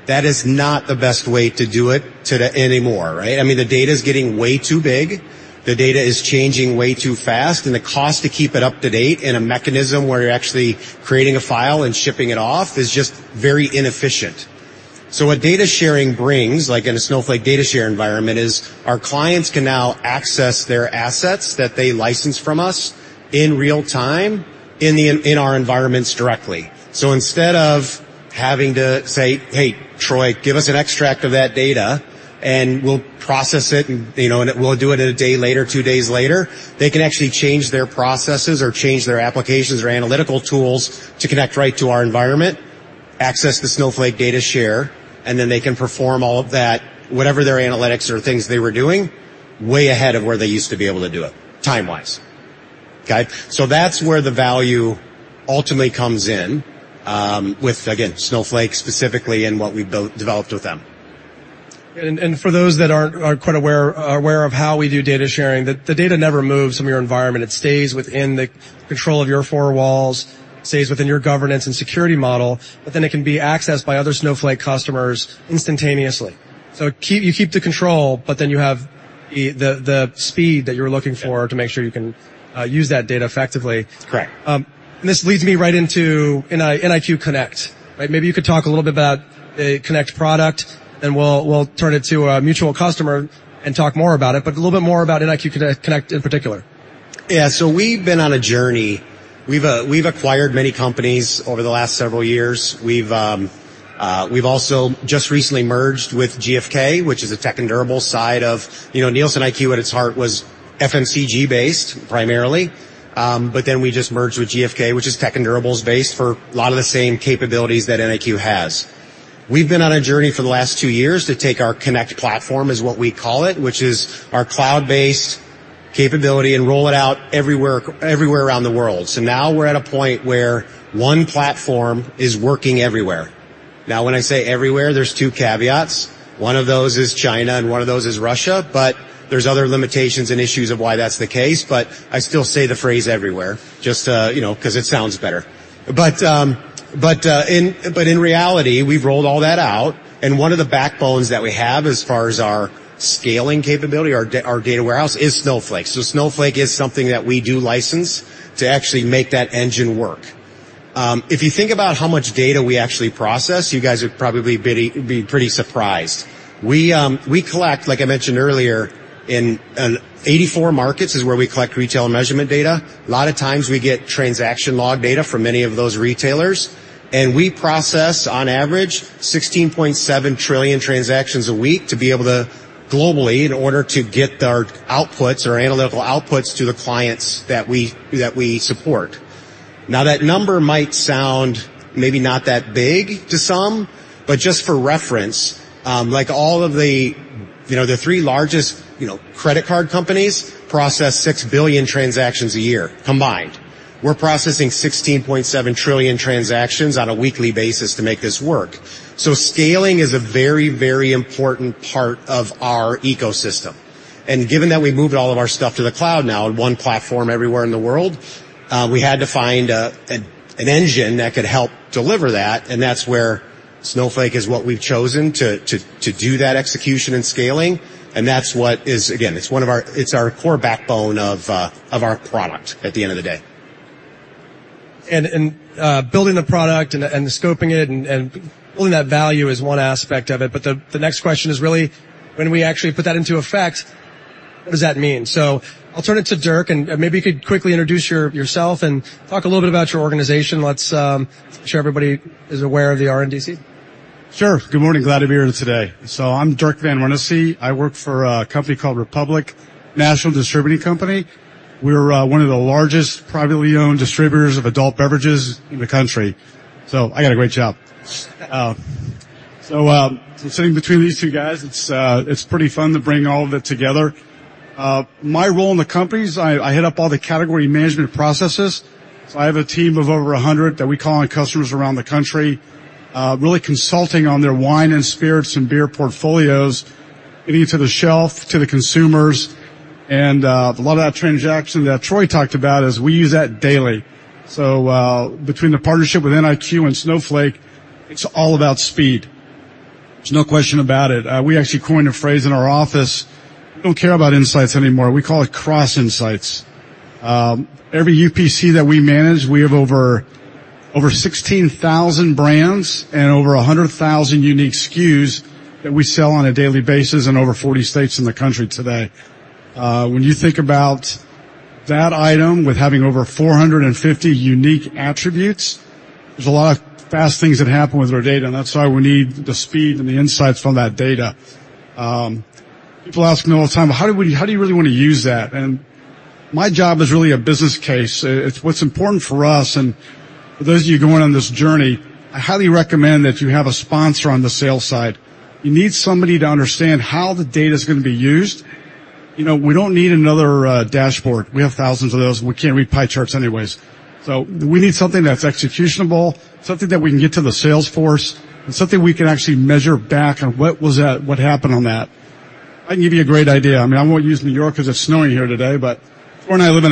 F: That is not the best way to do it today anymore, right? I mean, the data is getting way too big, the data is changing way too fast, and the cost to keep it up to date in a mechanism where you're actually creating a file and shipping it off, is just very inefficient. So what data sharing brings, like in a Snowflake data share environment, is our clients can now access their assets that they license from us in real time in our environments directly. So instead of having to say, "Hey, Troy, give us an extract of that data, and we'll process it, and, you know, and we'll do it a day later, two days later," they can actually change their processes or change their applications or analytical tools to connect right to our environment, access the Snowflake data share, and then they can perform all of that, whatever their analytics or things they were doing, way ahead of where they used to be able to do it, time-wise. Okay? So that's where the value ultimately comes in with, again, Snowflake specifically, and what we built, developed with them.
D: For those that aren't quite aware of how we do data sharing, the data never moves from your environment. It stays within the control of your four walls, stays within your governance and security model, but then it can be accessed by other Snowflake customers instantaneously. So you keep the control, but then you have the speed that you're looking for-
F: Yeah.
D: to make sure you can use that data effectively.
F: Correct.
D: And this leads me right into NIQ Connect. Right, maybe you could talk a little bit about the Connect product, and we'll turn it to a mutual customer and talk more about it, but a little bit more about NIQ Connect in particular.
F: Yeah. So we've been on a journey. We've acquired many companies over the last several years. We've also just recently merged with GfK, which is a tech and durables side of... You know, NielsenIQ, at its heart, was FMCG-based, primarily. But then we just merged with GfK, which is tech and durables-based, for a lot of the same capabilities that NIQ has. We've been on a journey for the last two years to take our Connect platform, is what we call it, which is our cloud-based capability, and roll it out everywhere, everywhere around the world. So now we're at a point where one platform is working everywhere. Now, when I say everywhere, there's two caveats. One of those is China, and one of those is Russia, but there's other limitations and issues of why that's the case, but I still say the phrase "everywhere," just to, you know, 'cause it sounds better. But in reality, we've rolled all that out, and one of the backbones that we have, as far as our scaling capability, our data warehouse, is Snowflake. So Snowflake is something that we do license to actually make that engine work. If you think about how much data we actually process, you guys would probably be pretty surprised. We collect, like I mentioned earlier, in 84 markets is where we collect retail and measurement data. A lot of times, we get transaction log data from many of those retailers, and we process, on average, 16.7 trillion transactions a week to be able to, globally, in order to get our outputs or analytical outputs to the clients that we, that we support. Now, that number might sound maybe not that big to some, but just for reference, like, all of the, you know, the three largest, you know, credit card companies process 6 billion transactions a year, combined. We're processing 16.7 trillion transactions on a weekly basis to make this work. So scaling is a very, very important part of our ecosystem. Given that we moved all of our stuff to the cloud now, on one platform everywhere in the world, we had to find an engine that could help deliver that, and that's where Snowflake is what we've chosen to do that execution and scaling, and that's what is... Again, it's one of our - it's our core backbone of our product, at the end of the day.
D: Building the product and scoping it and building that value is one aspect of it, but the next question is really: when we actually put that into effect, what does that mean? So I'll turn it to Dirk, and maybe you could quickly introduce yourself, and talk a little bit about your organization. Let's make sure everybody is aware of the RNDC.
G: Sure. Good morning. Glad to be here today. So I'm Dirk van Renesse. I work for a company called Republic National Distributing Company. We're one of the largest privately-owned distributors of adult beverages in the country. So I got a great job. So, sitting between these two guys, it's pretty fun to bring all of it together. My role in the company is I head up all the category management processes. So I have a team of over 100 that we call on customers around the country, really consulting on their wine and spirits and beer portfolios, getting to the shelf, to the consumers. And a lot of that transaction that Troy talked about is we use that daily. So between the partnership with NIQ and Snowflake, it's all about speed. There's no question about it. We actually coined a phrase in our office: We don't care about insights anymore. We call it cross insights. Every UPC that we manage, we have over 16,000 brands and over 100,000 unique SKUs that we sell on a daily basis in over 40 states in the country today. When you think about that item, with having over 450 unique attributes, there's a lot of fast things that happen with our data, and that's why we need the speed and the insights from that data. People ask me all the time: "Well, how do we- how do you really want to use that?" And my job is really a business case. It's what's important for us, and for those of you going on this journey, I highly recommend that you have a sponsor on the sales side. You need somebody to understand how the data is gonna be used. You know, we don't need another dashboard. We have thousands of those. We can't read pie charts anyways. So we need something that's executionable, something that we can get to the sales force, and something we can actually measure back on what was that, what happened on that? I can give you a great idea. I mean, I won't use New York because it's snowing here today, but Lauren and I live in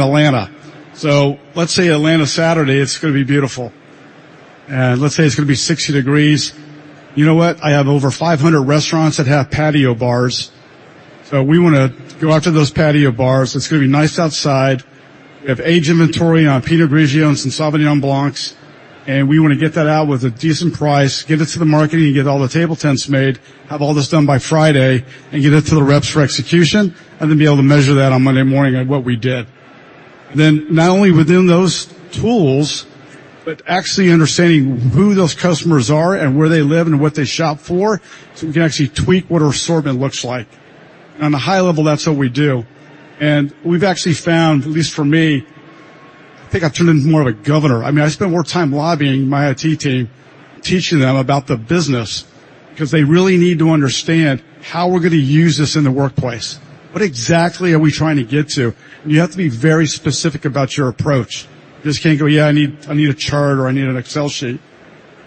G: Atlanta, so let's say Atlanta, Saturday, it's gonna be beautiful, and let's say it's gonna be 60 degrees. You know what? I have over 500 restaurants that have patio bars, so we wanna go out to those patio bars. It's gonna be nice outside. We have aged inventory on Pinot Grigio and some Sauvignon Blancs, and we wanna get that out with a decent price, get it to the market, and get all the table tents made, have all this done by Friday, and get it to the reps for execution, and then be able to measure that on Monday morning on what we did. Then, not only within those tools, but actually understanding who those customers are, and where they live, and what they shop for, so we can actually tweak what our assortment looks like. On a high level, that's what we do, and we've actually found, at least for me, I think I've turned into more of a governor. I mean, I spend more time lobbying my IT team, teaching them about the business, 'cause they really need to understand how we're gonna use this in the workplace. What exactly are we trying to get to? And you have to be very specific about your approach. You just can't go, "Yeah, I need, I need a chart, or I need an Excel sheet."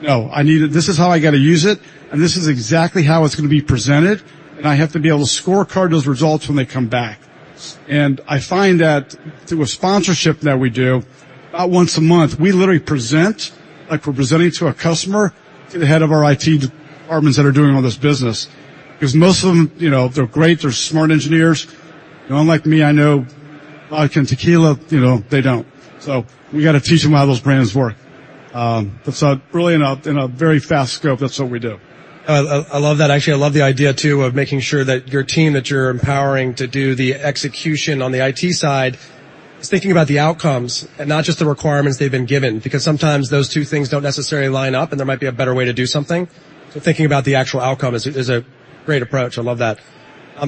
G: No, I need it, this is how I gotta use it, and this is exactly how it's gonna be presented, and I have to be able to scorecard those results when they come back. And I find that through a sponsorship that we do, about once a month, we literally present, like we're presenting to a customer, to the head of our IT departments that are doing all this business. 'Cause most of them, you know, they're great, they're smart engineers. You know, unlike me, I know vodka and tequila, you know, they don't. So we gotta teach them how those brands work. But so really, in a very fast scope, that's what we do.
D: I love that. Actually, I love the idea, too, of making sure that your team, that you're empowering to do the execution on the IT side, is thinking about the outcomes and not just the requirements they've been given, because sometimes those two things don't necessarily line up, and there might be a better way to do something. So thinking about the actual outcome is a great approach. I love that.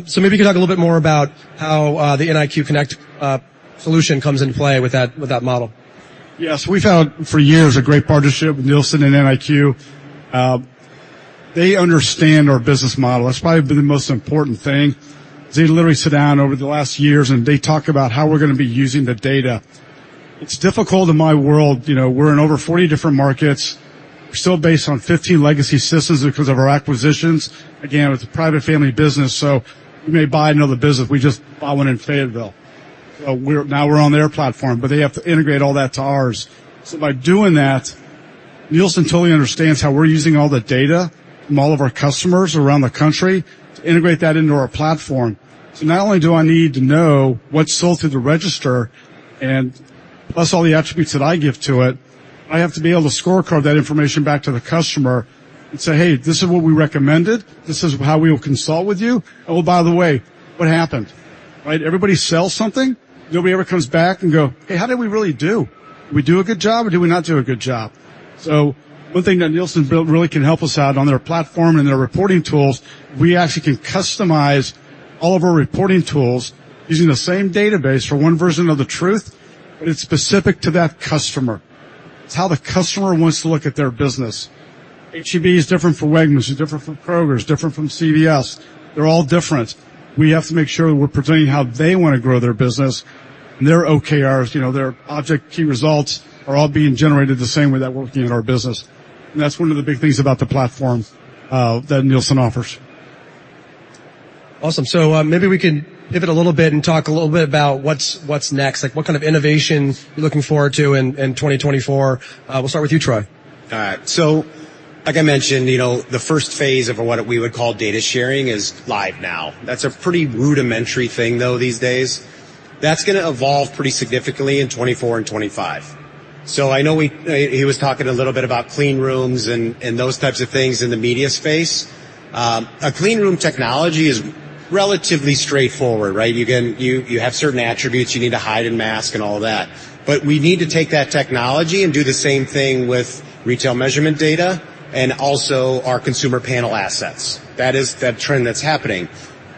D: So maybe you can talk a little bit more about how the NIQ Connect solution comes into play with that, with that model.
G: Yes, we've had, for years, a great partnership with Nielsen and NIQ. They understand our business model. That's probably been the most important thing, is they literally sit down over the last years, and they talk about how we're gonna be using the data. It's difficult in my world, you know, we're in over 40 different markets. We're still based on 15 legacy systems because of our acquisitions. Again, it's a private family business, so we may buy another business. We just bought one in Fayetteville. Now we're on their platform, but they have to integrate all that to ours. So by doing that, Nielsen totally understands how we're using all the data from all of our customers around the country to integrate that into our platform. So not only do I need to know what's sold through the register, and plus all the attributes that I give to it, I have to be able to scorecard that information back to the customer and say, "Hey, this is what we recommended. This is how we will consult with you. Oh, by the way, what happened?" Right? Everybody sells something. Nobody ever comes back and go: "Hey, how did we really do? Did we do a good job, or did we not do a good job?" So one thing that Nielsen built really can help us out on their platform and their reporting tools, we actually can customize all of our reporting tools using the same database for one version of the truth, but it's specific to that customer. It's how the customer wants to look at their business. HEB is different from Wegmans, is different from Kroger's, different from CVS. They're all different. We have to make sure we're presenting how they wanna grow their business, and their OKRs, you know, their object key results, are all being generated the same way that we're looking at our business, and that's one of the big things about the platform that Nielsen offers.
D: Awesome. So, maybe we can pivot a little bit and talk a little bit about what's, what's next. Like, what kind of innovations are you looking forward to in, in 2024? We'll start with you, Troy.
F: So like I mentioned, you know, the first phase of what we would call data sharing is live now. That's a pretty rudimentary thing, though, these days. That's gonna evolve pretty significantly in 2024 and 2025. So I know we, he was talking a little bit about clean rooms and those types of things in the media space. A clean room technology is relatively straightforward, right? You have certain attributes you need to hide and mask and all that. But we need to take that technology and do the same thing with retail measurement data and also our consumer panel assets. That is that trend that's happening.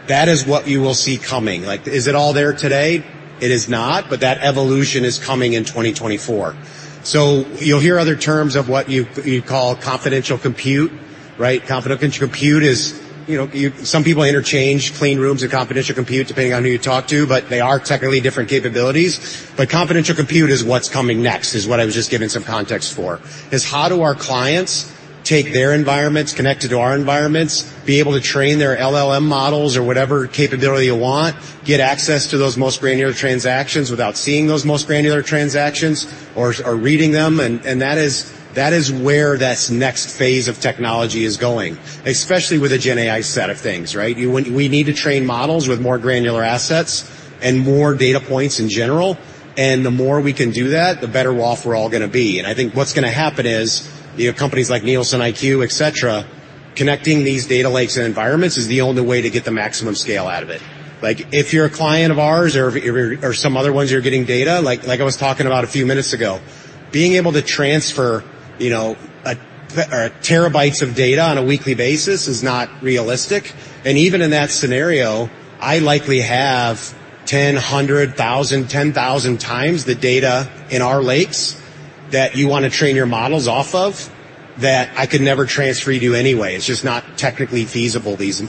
F: That is what you will see coming. Like, is it all there today? It is not, but that evolution is coming in 2024. So you'll hear other terms of what you call confidential compute, right? confidential compute is, you know, some people interchange clean rooms and confidential compute, depending on who you talk to, but they are technically different capabilities. But confidential compute is what's coming next, is what I was just giving some context for. Is how do our clients take their environments, connect it to our environments, be able to train their LLM models or whatever capability you want, get access to those most granular transactions without seeing those most granular transactions or reading them? And that is where this next phase of technology is going, especially with the Gen AI set of things, right? We need to train models with more granular assets and more data points in general, and the more we can do that, the better off we're all gonna be. And I think what's gonna happen is, you have companies like NielsenIQ, et cetera, connecting these data lakes and environments is the only way to get the maximum scale out of it. Like, if you're a client of ours or some other ones, you're getting data, like I was talking about a few minutes ago, being able to transfer, you know, terabytes of data on a weekly basis is not realistic. And even in that scenario, I likely have 10, 100, 1,000, 10,000 times the data in our lakes that you wanna train your models off of... that I could never transfer to you anyway. It's just not technically feasible these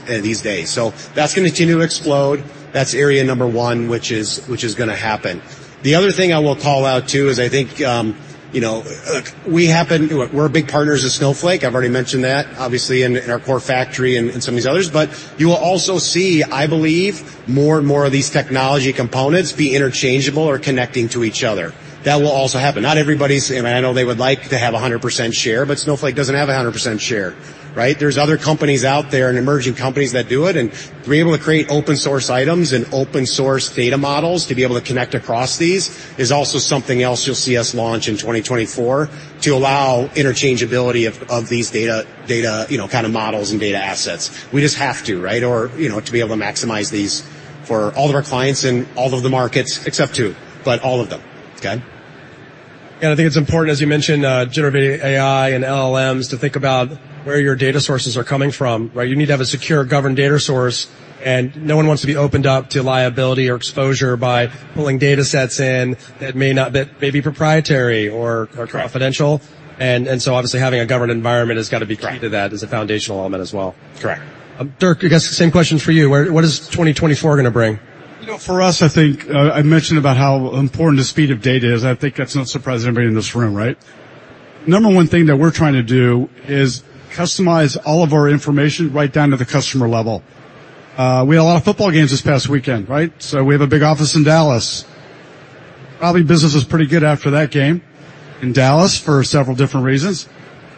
F: days. So that's gonna continue to explode. That's area number one, which is gonna happen. The other thing I will call out, too, is I think, you know, Look, we're big partners with Snowflake. I've already mentioned that, obviously, in our core factory and in some of these others. But you will also see, I believe, more and more of these technology components be interchangeable or connecting to each other. That will also happen. Not everybody's... And I know they would like to have a 100% share, but Snowflake doesn't have a 100% share, right? There's other companies out there and emerging companies that do it, and to be able to create open source items and open source data models, to be able to connect across these, is also something else you'll see us launch in 2024, to allow interchangeability of these data, you know, kinda models and data assets. We just have to, right? Or, you know, to be able to maximize these for all of our clients and all of the markets, except two, but all of them. Okay?
D: I think it's important, as you mentioned, generative AI and LLMs, to think about where your data sources are coming from, right? You need to have a secure, governed data source, and no one wants to be opened up to liability or exposure by pulling data sets in that may be proprietary or-
F: Correct.
D: confidential. And so obviously, having a governed environment has got to be-
F: Correct...
D: key to that as a foundational element as well.
F: Correct.
D: Dirk, I guess the same question for you. Where, what is 2024 gonna bring?
G: You know, for us, I think, I mentioned about how important the speed of data is. I think that's no surprise to anybody in this room, right? Number one thing that we're trying to do is customize all of our information right down to the customer level. We had a lot of football games this past weekend, right? So we have a big office in Dallas. Probably, business was pretty good after that game in Dallas for several different reasons.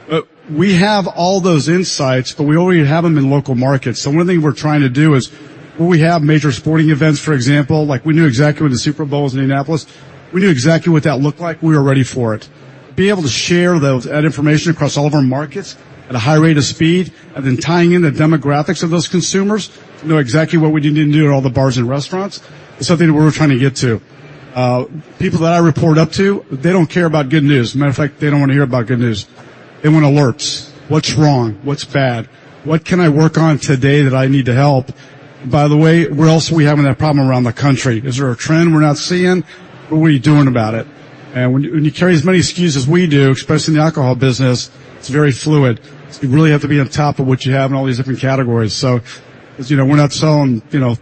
G: But we have all those insights, but we already have them in local markets. So one thing we're trying to do is, when we have major sporting events, for example, like we knew exactly when the Super Bowl was in Indianapolis, we knew exactly what that looked like. We were ready for it. To be able to share that information across all of our markets at a high rate of speed, and then tying in the demographics of those consumers, to know exactly what we need to do at all the bars and restaurants, is something that we're trying to get to. People that I report up to, they don't care about good news. Matter of fact, they don't want to hear about good news. They want alerts. What's wrong? What's bad? What can I work on today that I need to help? By the way, where else are we having that problem around the country? Is there a trend we're not seeing? What are we doing about it? And when you carry as many SKUs as we do, especially in the alcohol business, it's very fluid. You really have to be on top of what you have in all these different categories. So, as you know, we're not selling, you know,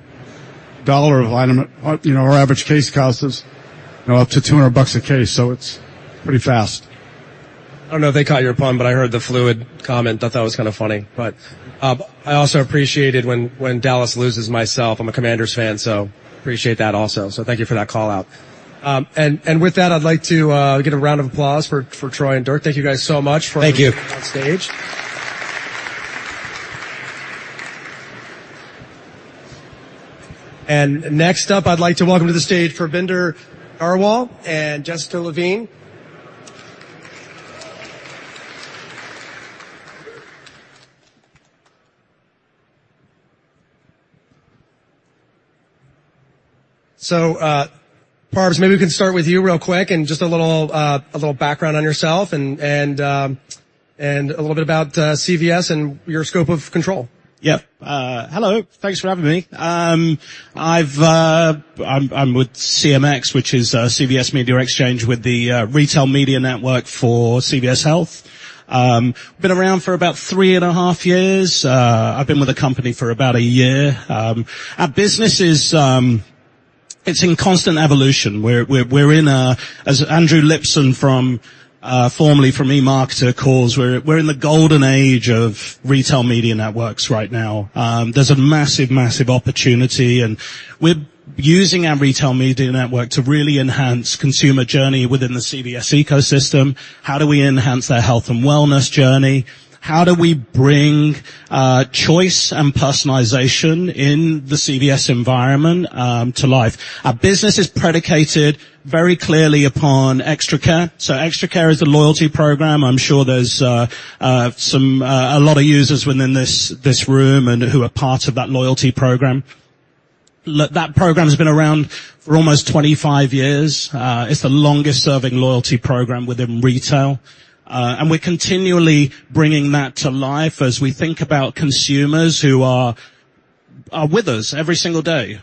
G: dollar item. You know, our average case cost is, you know, up to $200 a case, so it's pretty fast.
D: I don't know if they caught your pun, but I heard the fluid comment. I thought that was kinda funny, but I also appreciated when Dallas loses. Myself, I'm a Commanders fan, so appreciate that also. So thank you for that call-out. And with that, I'd like to get a round of applause for Troy and Dirk. Thank you guys so much for-
F: Thank you.
D: coming on stage. Next up, I'd like to welcome to the stage Parbinder Dhariwal and Jessica Levine. So, Parvs, maybe we can start with you real quick, and just a little, a little background on yourself and, and, and a little bit about, CVS and your scope of control.
H: Yep. Hello, thanks for having me. I've... I'm with CMX, which is CVS Media Exchange with the retail media network for CVS Health. Been around for about 3.5 years. I've been with the company for about 1 year. Our business is. It's in constant evolution. We're in a... As Andrew Lipsman from, formerly from eMarketer, calls, we're in the golden age of retail media networks right now. There's a massive, massive opportunity, and we're using our retail media network to really enhance consumer journey within the CVS ecosystem. How do we enhance their health and wellness journey? How do we bring choice and personalization in the CVS environment to life? Our business is predicated very clearly upon ExtraCare. So ExtraCare is the loyalty program. I'm sure there's a lot of users within this room and who are part of that loyalty program. Look, that program has been around for almost 25 years. It's the longest-serving loyalty program within retail, and we're continually bringing that to life as we think about consumers who are with us every single day.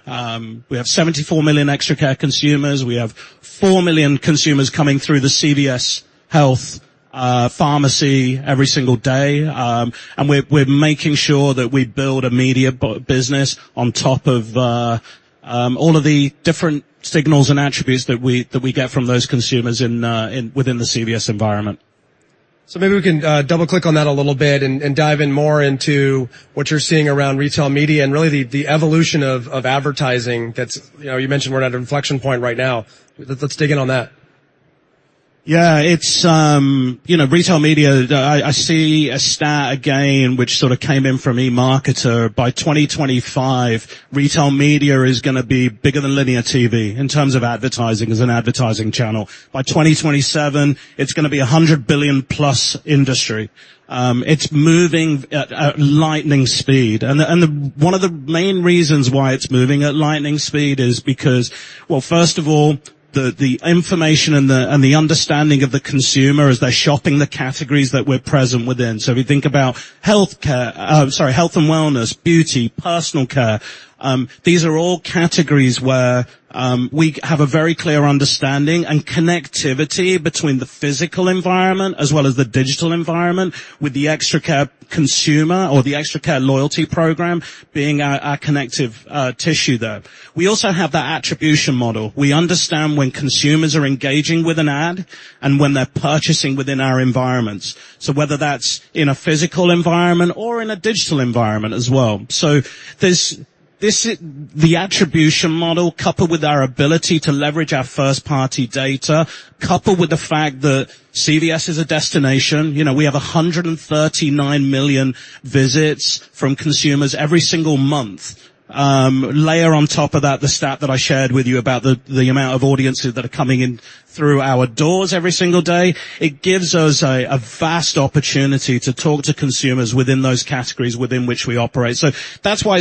H: We have 74 million ExtraCare consumers. We have 4 million consumers coming through the CVS Health pharmacy every single day. And we're making sure that we build a media business on top of all of the different signals and attributes that we get from those consumers within the CVS environment.
D: So maybe we can double-click on that a little bit and dive in more into what you're seeing around retail media and really the evolution of advertising. That's... You know, you mentioned we're at an inflection point right now. Let's dig in on that.
H: Yeah, it's, you know, retail media. I see a stat again, which sort of came in from eMarketer. By 2025, retail media is gonna be bigger than linear TV in terms of advertising, as an advertising channel. By 2027, it's gonna be a $100 billion+ industry. It's moving at lightning speed, and one of the main reasons why it's moving at lightning speed is because, well, first of all, the information and the understanding of the consumer as they're shopping, the categories that we're present within. So if you think about healthcare, health and wellness, beauty, personal care, these are all categories where we have a very clear understanding and connectivity between the physical environment as well as the digital environment, with the ExtraCare consumer or the ExtraCare loyalty program being our connective tissue there. We also have that attribution model. We understand when consumers are engaging with an ad and when they're purchasing within our environments, so whether that's in a physical environment or in a digital environment as well. This, the attribution model, coupled with our ability to leverage our first-party data, coupled with the fact that CVS is a destination, you know, we have 139 million visits from consumers every single month. Layer on top of that, the stat that I shared with you about the amount of audiences that are coming in through our doors every single day. It gives us a vast opportunity to talk to consumers within those categories within which we operate. That's why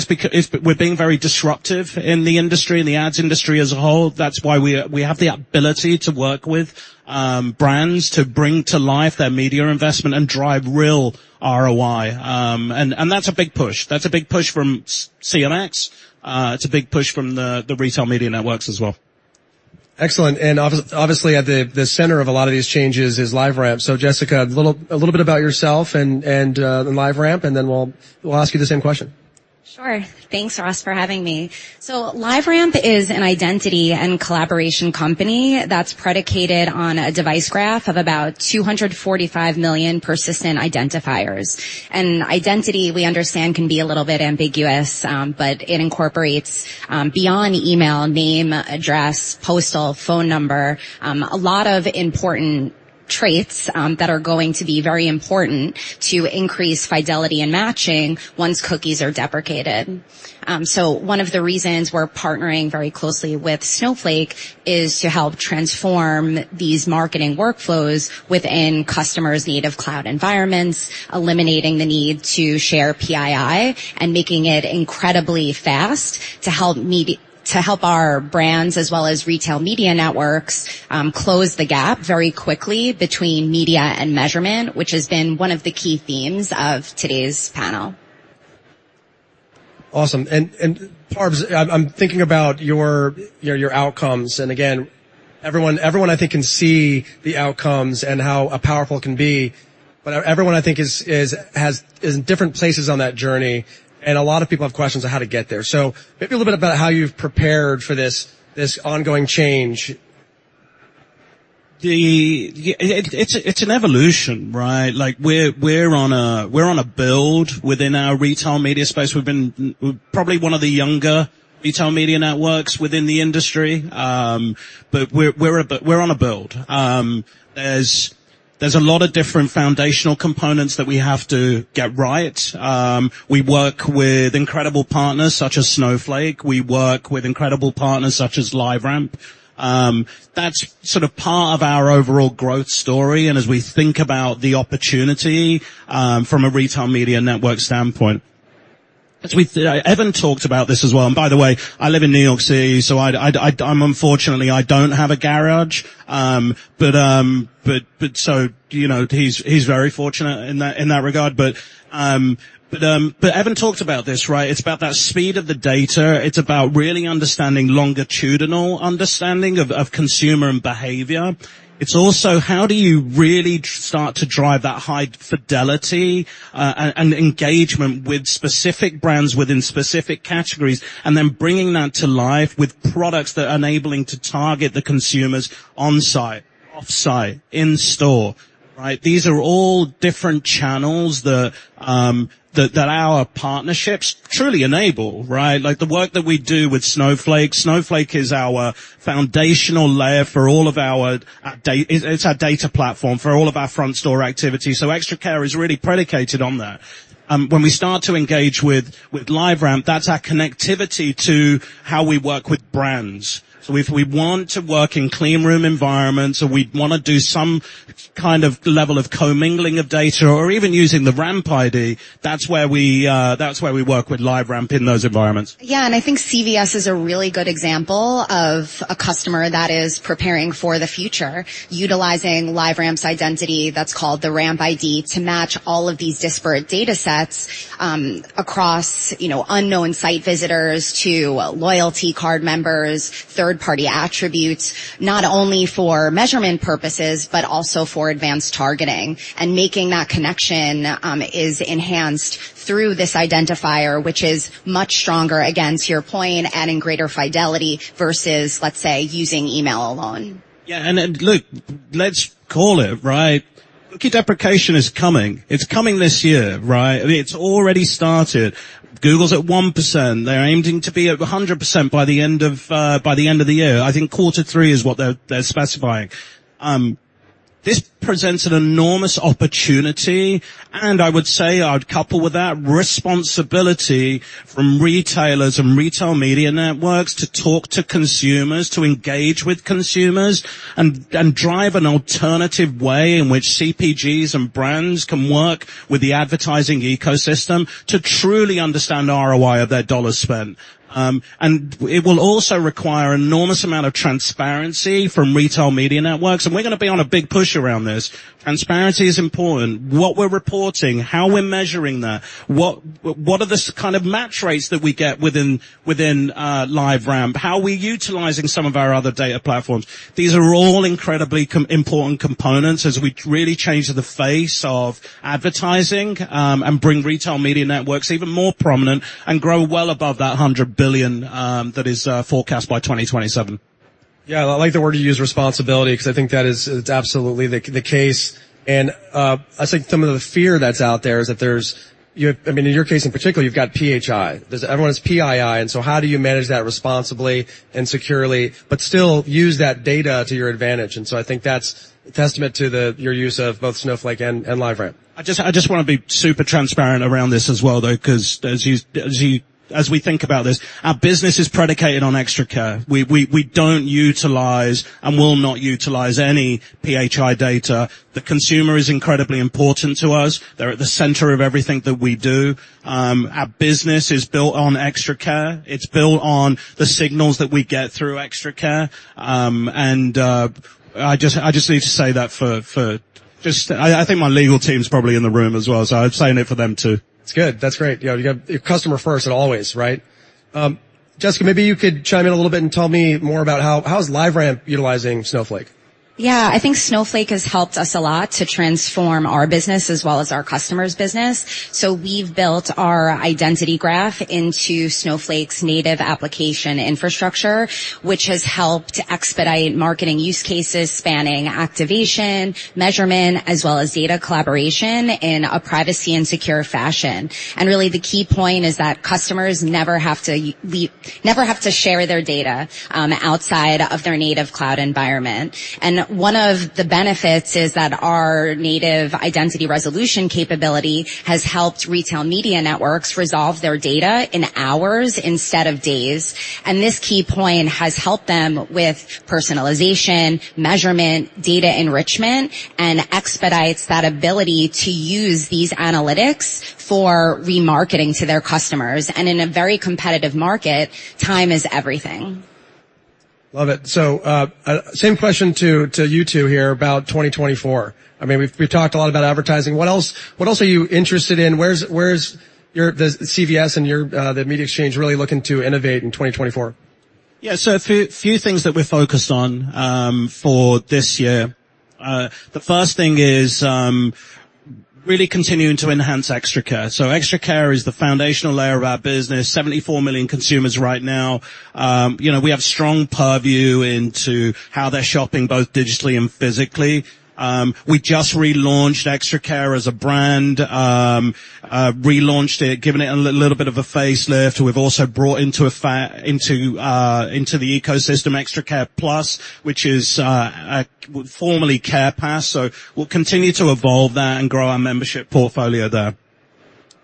H: we're being very disruptive in the industry, in the ads industry as a whole. That's why we have the ability to work with brands to bring to life their media investment and drive real ROI. And that's a big push. That's a big push from CMX. It's a big push from the retail media networks as well.
D: Excellent. And obviously, obviously, at the center of a lot of these changes is LiveRamp. So, Jessica, a little bit about yourself and the LiveRamp, and then we'll ask you the same question.
I: Sure. Thanks, Ross, for having me. So LiveRamp is an identity and collaboration company that's predicated on a device graph of about 245 million persistent identifiers. And identity, we understand, can be a little bit ambiguous, but it incorporates, beyond email, name, address, postal, phone number, a lot of important traits, that are going to be very important to increase fidelity and matching once cookies are deprecated. So one of the reasons we're partnering very closely with Snowflake is to help transform these marketing workflows within customers' native cloud environments, eliminating the need to share PII, and making it incredibly fast to help our brands, as well as retail media networks, close the gap very quickly between media and measurement, which has been one of the key themes of today's panel.
D: Awesome. And, Farbs, I'm thinking about your outcomes, and again, everyone I think can see the outcomes and how powerful it can be, but everyone, I think, is in different places on that journey, and a lot of people have questions on how to get there. So maybe a little bit about how you've prepared for this ongoing change.
H: It's, it's an evolution, right? Like, we're on a build within our retail media space. We've been probably one of the younger retail media networks within the industry. But we're on a build. There's a lot of different foundational components that we have to get right. We work with incredible partners such as Snowflake. We work with incredible partners such as LiveRamp. That's sort of part of our overall growth story, and as we think about the opportunity from a retail media network standpoint. As we Evan talked about this as well, and by the way, I live in New York City, so I unfortunately I don't have a garage, but so, you know, he's very fortunate in that regard. Evan talked about this, right? It's about that speed of the data. It's about really understanding longitudinal understanding of consumer and behavior. It's also how do you really start to drive that high fidelity and engagement with specific brands within specific categories, and then bringing that to life with products that are enabling to target the consumers on-site, off-site, in-store, right? These are all different channels that our partnerships truly enable, right? Like the work that we do with Snowflake. Snowflake is our foundational layer for all of our data. It's our data platform for all of our front-store activities, so ExtraCare is really predicated on that. When we start to engage with LiveRamp, that's our connectivity to how we work with brands. If we want to work in Clean Room environments, or we want to do some kind of level of co-mingling of data or even using the RampID, that's where we work with LiveRamp in those environments.
I: Yeah, and I think CVS is a really good example of a customer that is preparing for the future, utilizing LiveRamp's identity, that's called the RampID, to match all of these disparate data sets, across, you know, unknown site visitors, to loyalty card members, third-party attributes, not only for measurement purposes, but also for advanced targeting. And making that connection, is enhanced through this identifier, which is much stronger, again, to your point, and in greater fidelity versus, let's say, using email alone.
H: Yeah, and, and look, let's call it, right? Cookie deprecation is coming. It's coming this year, right? I mean, it's already started. Google's at 1%. They're aiming to be at 100% by the end of the year. I think quarter three is what they're specifying. This presents an enormous opportunity, and I would say I'd couple with that, responsibility from retailers and retail media networks to talk to consumers, to engage with consumers, and, and drive an alternative way in which CPGs and brands can work with the advertising ecosystem to truly understand ROI of their dollar spend. And it will also require enormous amount of transparency from retail media networks, and we're going to be on a big push around this. Transparency is important. What we're reporting, how we're measuring that, what are the kind of match rates that we get within LiveRamp? How are we utilizing some of our other data platforms? These are all incredibly important components as we really change the face of advertising, and bring retail media networks even more prominent and grow well above that $100 billion that is forecast by 2027. ...
D: Yeah, I like the word you use, responsibility, because I think that is; it's absolutely the case. And I think some of the fear that's out there is that there's, you—I mean, in your case, in particular, you've got PHI. There's—everyone has PII, and so how do you manage that responsibly and securely, but still use that data to your advantage? And so I think that's a testament to your use of both Snowflake and LiveRamp.
H: I just, I just want to be super transparent around this as well, though, 'cause as you, as you-- as we think about this, our business is predicated on ExtraCare. We, we, we don't utilize and will not utilize any PHI data. The consumer is incredibly important to us. They're at the center of everything that we do. Our business is built on ExtraCare. It's built on the signals that we get through ExtraCare. And, I just, I just need to say that for, for just... I, I think my legal team's probably in the room as well, so I'm saying it for them, too.
D: It's good. That's great. You know, you got your customer first and always, right? Jessica, maybe you could chime in a little bit and tell me more about how... How is LiveRamp utilizing Snowflake?
I: Yeah. I think Snowflake has helped us a lot to transform our business as well as our customers' business. So we've built our identity graph into Snowflake's native application infrastructure, which has helped expedite marketing use cases spanning activation, measurement, as well as data collaboration in a privacy and secure fashion. And really, the key point is that customers never have to share their data outside of their native cloud environment. And one of the benefits is that our native identity resolution capability has helped retail media networks resolve their data in hours instead of days. And this key point has helped them with personalization, measurement, data enrichment, and expedites that ability to use these analytics for remarketing to their customers. And in a very competitive market, time is everything.
D: Love it. So, same question to you two here about 2024. I mean, we've talked a lot about advertising. What else, what else are you interested in? Where is your... Does CVS and your the Media Exchange really looking to innovate in 2024?
H: Yeah, so a few things that we're focused on for this year. The first thing is really continuing to enhance ExtraCare. So ExtraCare is the foundational layer of our business, 74 million consumers right now. You know, we have strong purview into how they're shopping, both digitally and physically. We just relaunched ExtraCare as a brand, relaunched it, given it a little bit of a facelift. We've also brought into effect into the ecosystem, ExtraCare Plus, which is formerly CarePass, so we'll continue to evolve that and grow our membership portfolio there.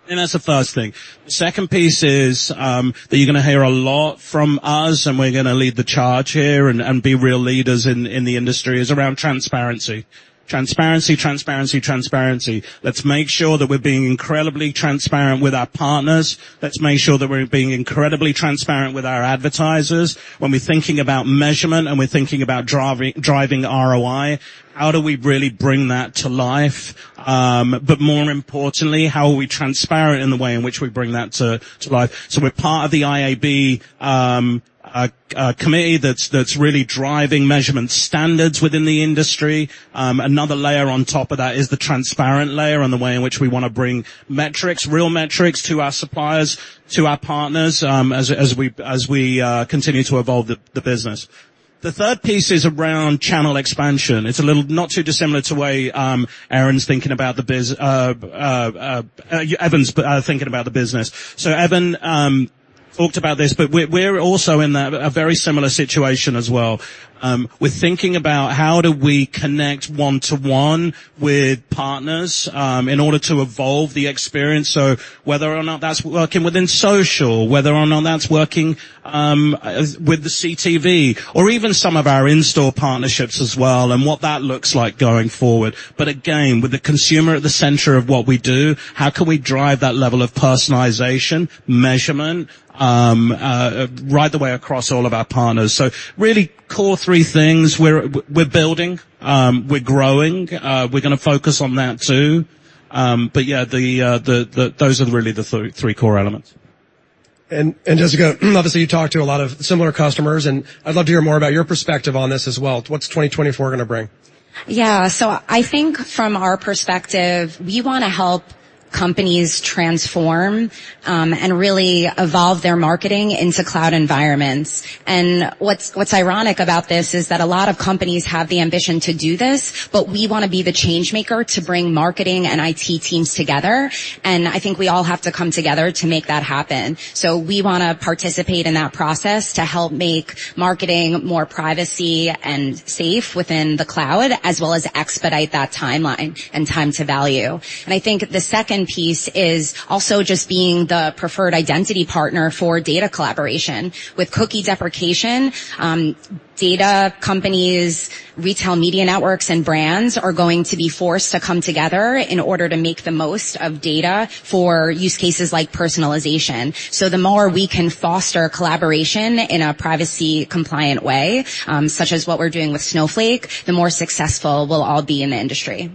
H: And that's the first thing. The second piece is that you're gonna hear a lot from us, and we're gonna lead the charge here and be real leaders in the industry, is around transparency. Transparency, transparency, transparency. Let's make sure that we're being incredibly transparent with our partners. Let's make sure that we're being incredibly transparent with our advertisers. When we're thinking about measurement, and we're thinking about driving ROI, how do we really bring that to life? But more importantly, how are we transparent in the way in which we bring that to life? So we're part of the IAB committee that's really driving measurement standards within the industry. Another layer on top of that is the transparent layer and the way in which we wanna bring metrics, real metrics, to our suppliers, to our partners, as we continue to evolve the business. The third piece is around channel expansion. It's a little... Not too dissimilar to the way Aaron's thinking about the business. So Evan talked about this, but we're also in that a very similar situation as well. We're thinking about how do we connect one-to-one with partners in order to evolve the experience. So whether or not that's working within social, whether or not that's working with the CTV or even some of our in-store partnerships as well, and what that looks like going forward. But again, with the consumer at the center of what we do, how can we drive that level of personalization, measurement right the way across all of our partners? So really, core three things, we're building, we're growing, we're gonna focus on that too. But yeah, the... Those are really the three core elements.
D: Jessica, obviously, you talk to a lot of similar customers, and I'd love to hear more about your perspective on this as well. What's 2024 gonna bring?
I: Yeah. So I think from our perspective, we wanna help companies transform and really evolve their marketing into cloud environments. And what's ironic about this is that a lot of companies have the ambition to do this, but we wanna be the changemaker to bring marketing and IT teams together, and I think we all have to come together to make that happen. So we wanna participate in that process to help make marketing more privacy and safe within the cloud, as well as expedite that timeline and time to value. And I think the second piece is also just being the preferred identity partner for data collaboration. With cookie deprecation, data companies, retail media networks, and brands are going to be forced to come together in order to make the most of data for use cases like personalization. The more we can foster collaboration in a privacy-compliant way, such as what we're doing with Snowflake, the more successful we'll all be in the industry.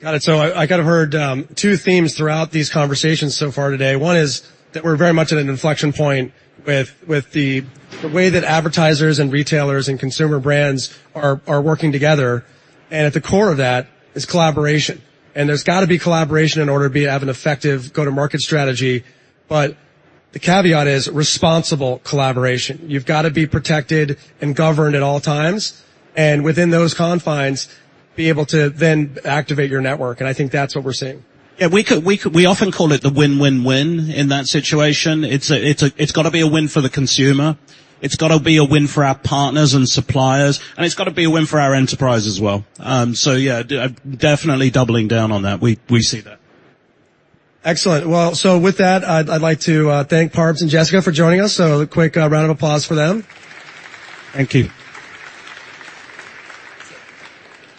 D: Got it. So I kind of heard two themes throughout these conversations so far today. One is that we're very much at an inflection point with the way that advertisers and retailers and consumer brands are working together, and at the core of that is collaboration. And there's got to be collaboration in order to have an effective go-to-market strategy. But the caveat is responsible collaboration. You've got to be protected and governed at all times, and within those confines, be able to then activate your network, and I think that's what we're seeing.
H: Yeah, we could. We often call it the win-win-win in that situation. It's a. It's got to be a win for the consumer, it's got to be a win for our partners and suppliers, and it's got to be a win for our enterprise as well. So yeah, definitely doubling down on that. We see that.
D: Excellent! Well, so with that, I'd like to thank Parbs and Jessica for joining us. A quick round of applause for them.
H: Thank you.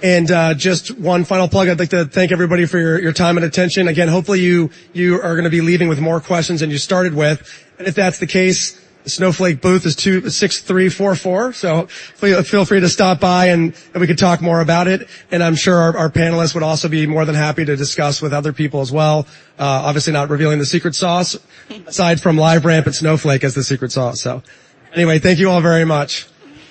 D: Just one final plug. I'd like to thank everybody for your time and attention. Again, hopefully, you are gonna be leaving with more questions than you started with. And if that's the case, the Snowflake booth is 26344. So feel free to stop by, and we can talk more about it. And I'm sure our panelists would also be more than happy to discuss with other people as well. Obviously, not revealing the secret sauce, aside from LiveRamp and Snowflake as the secret sauce. So anyway, thank you all very much.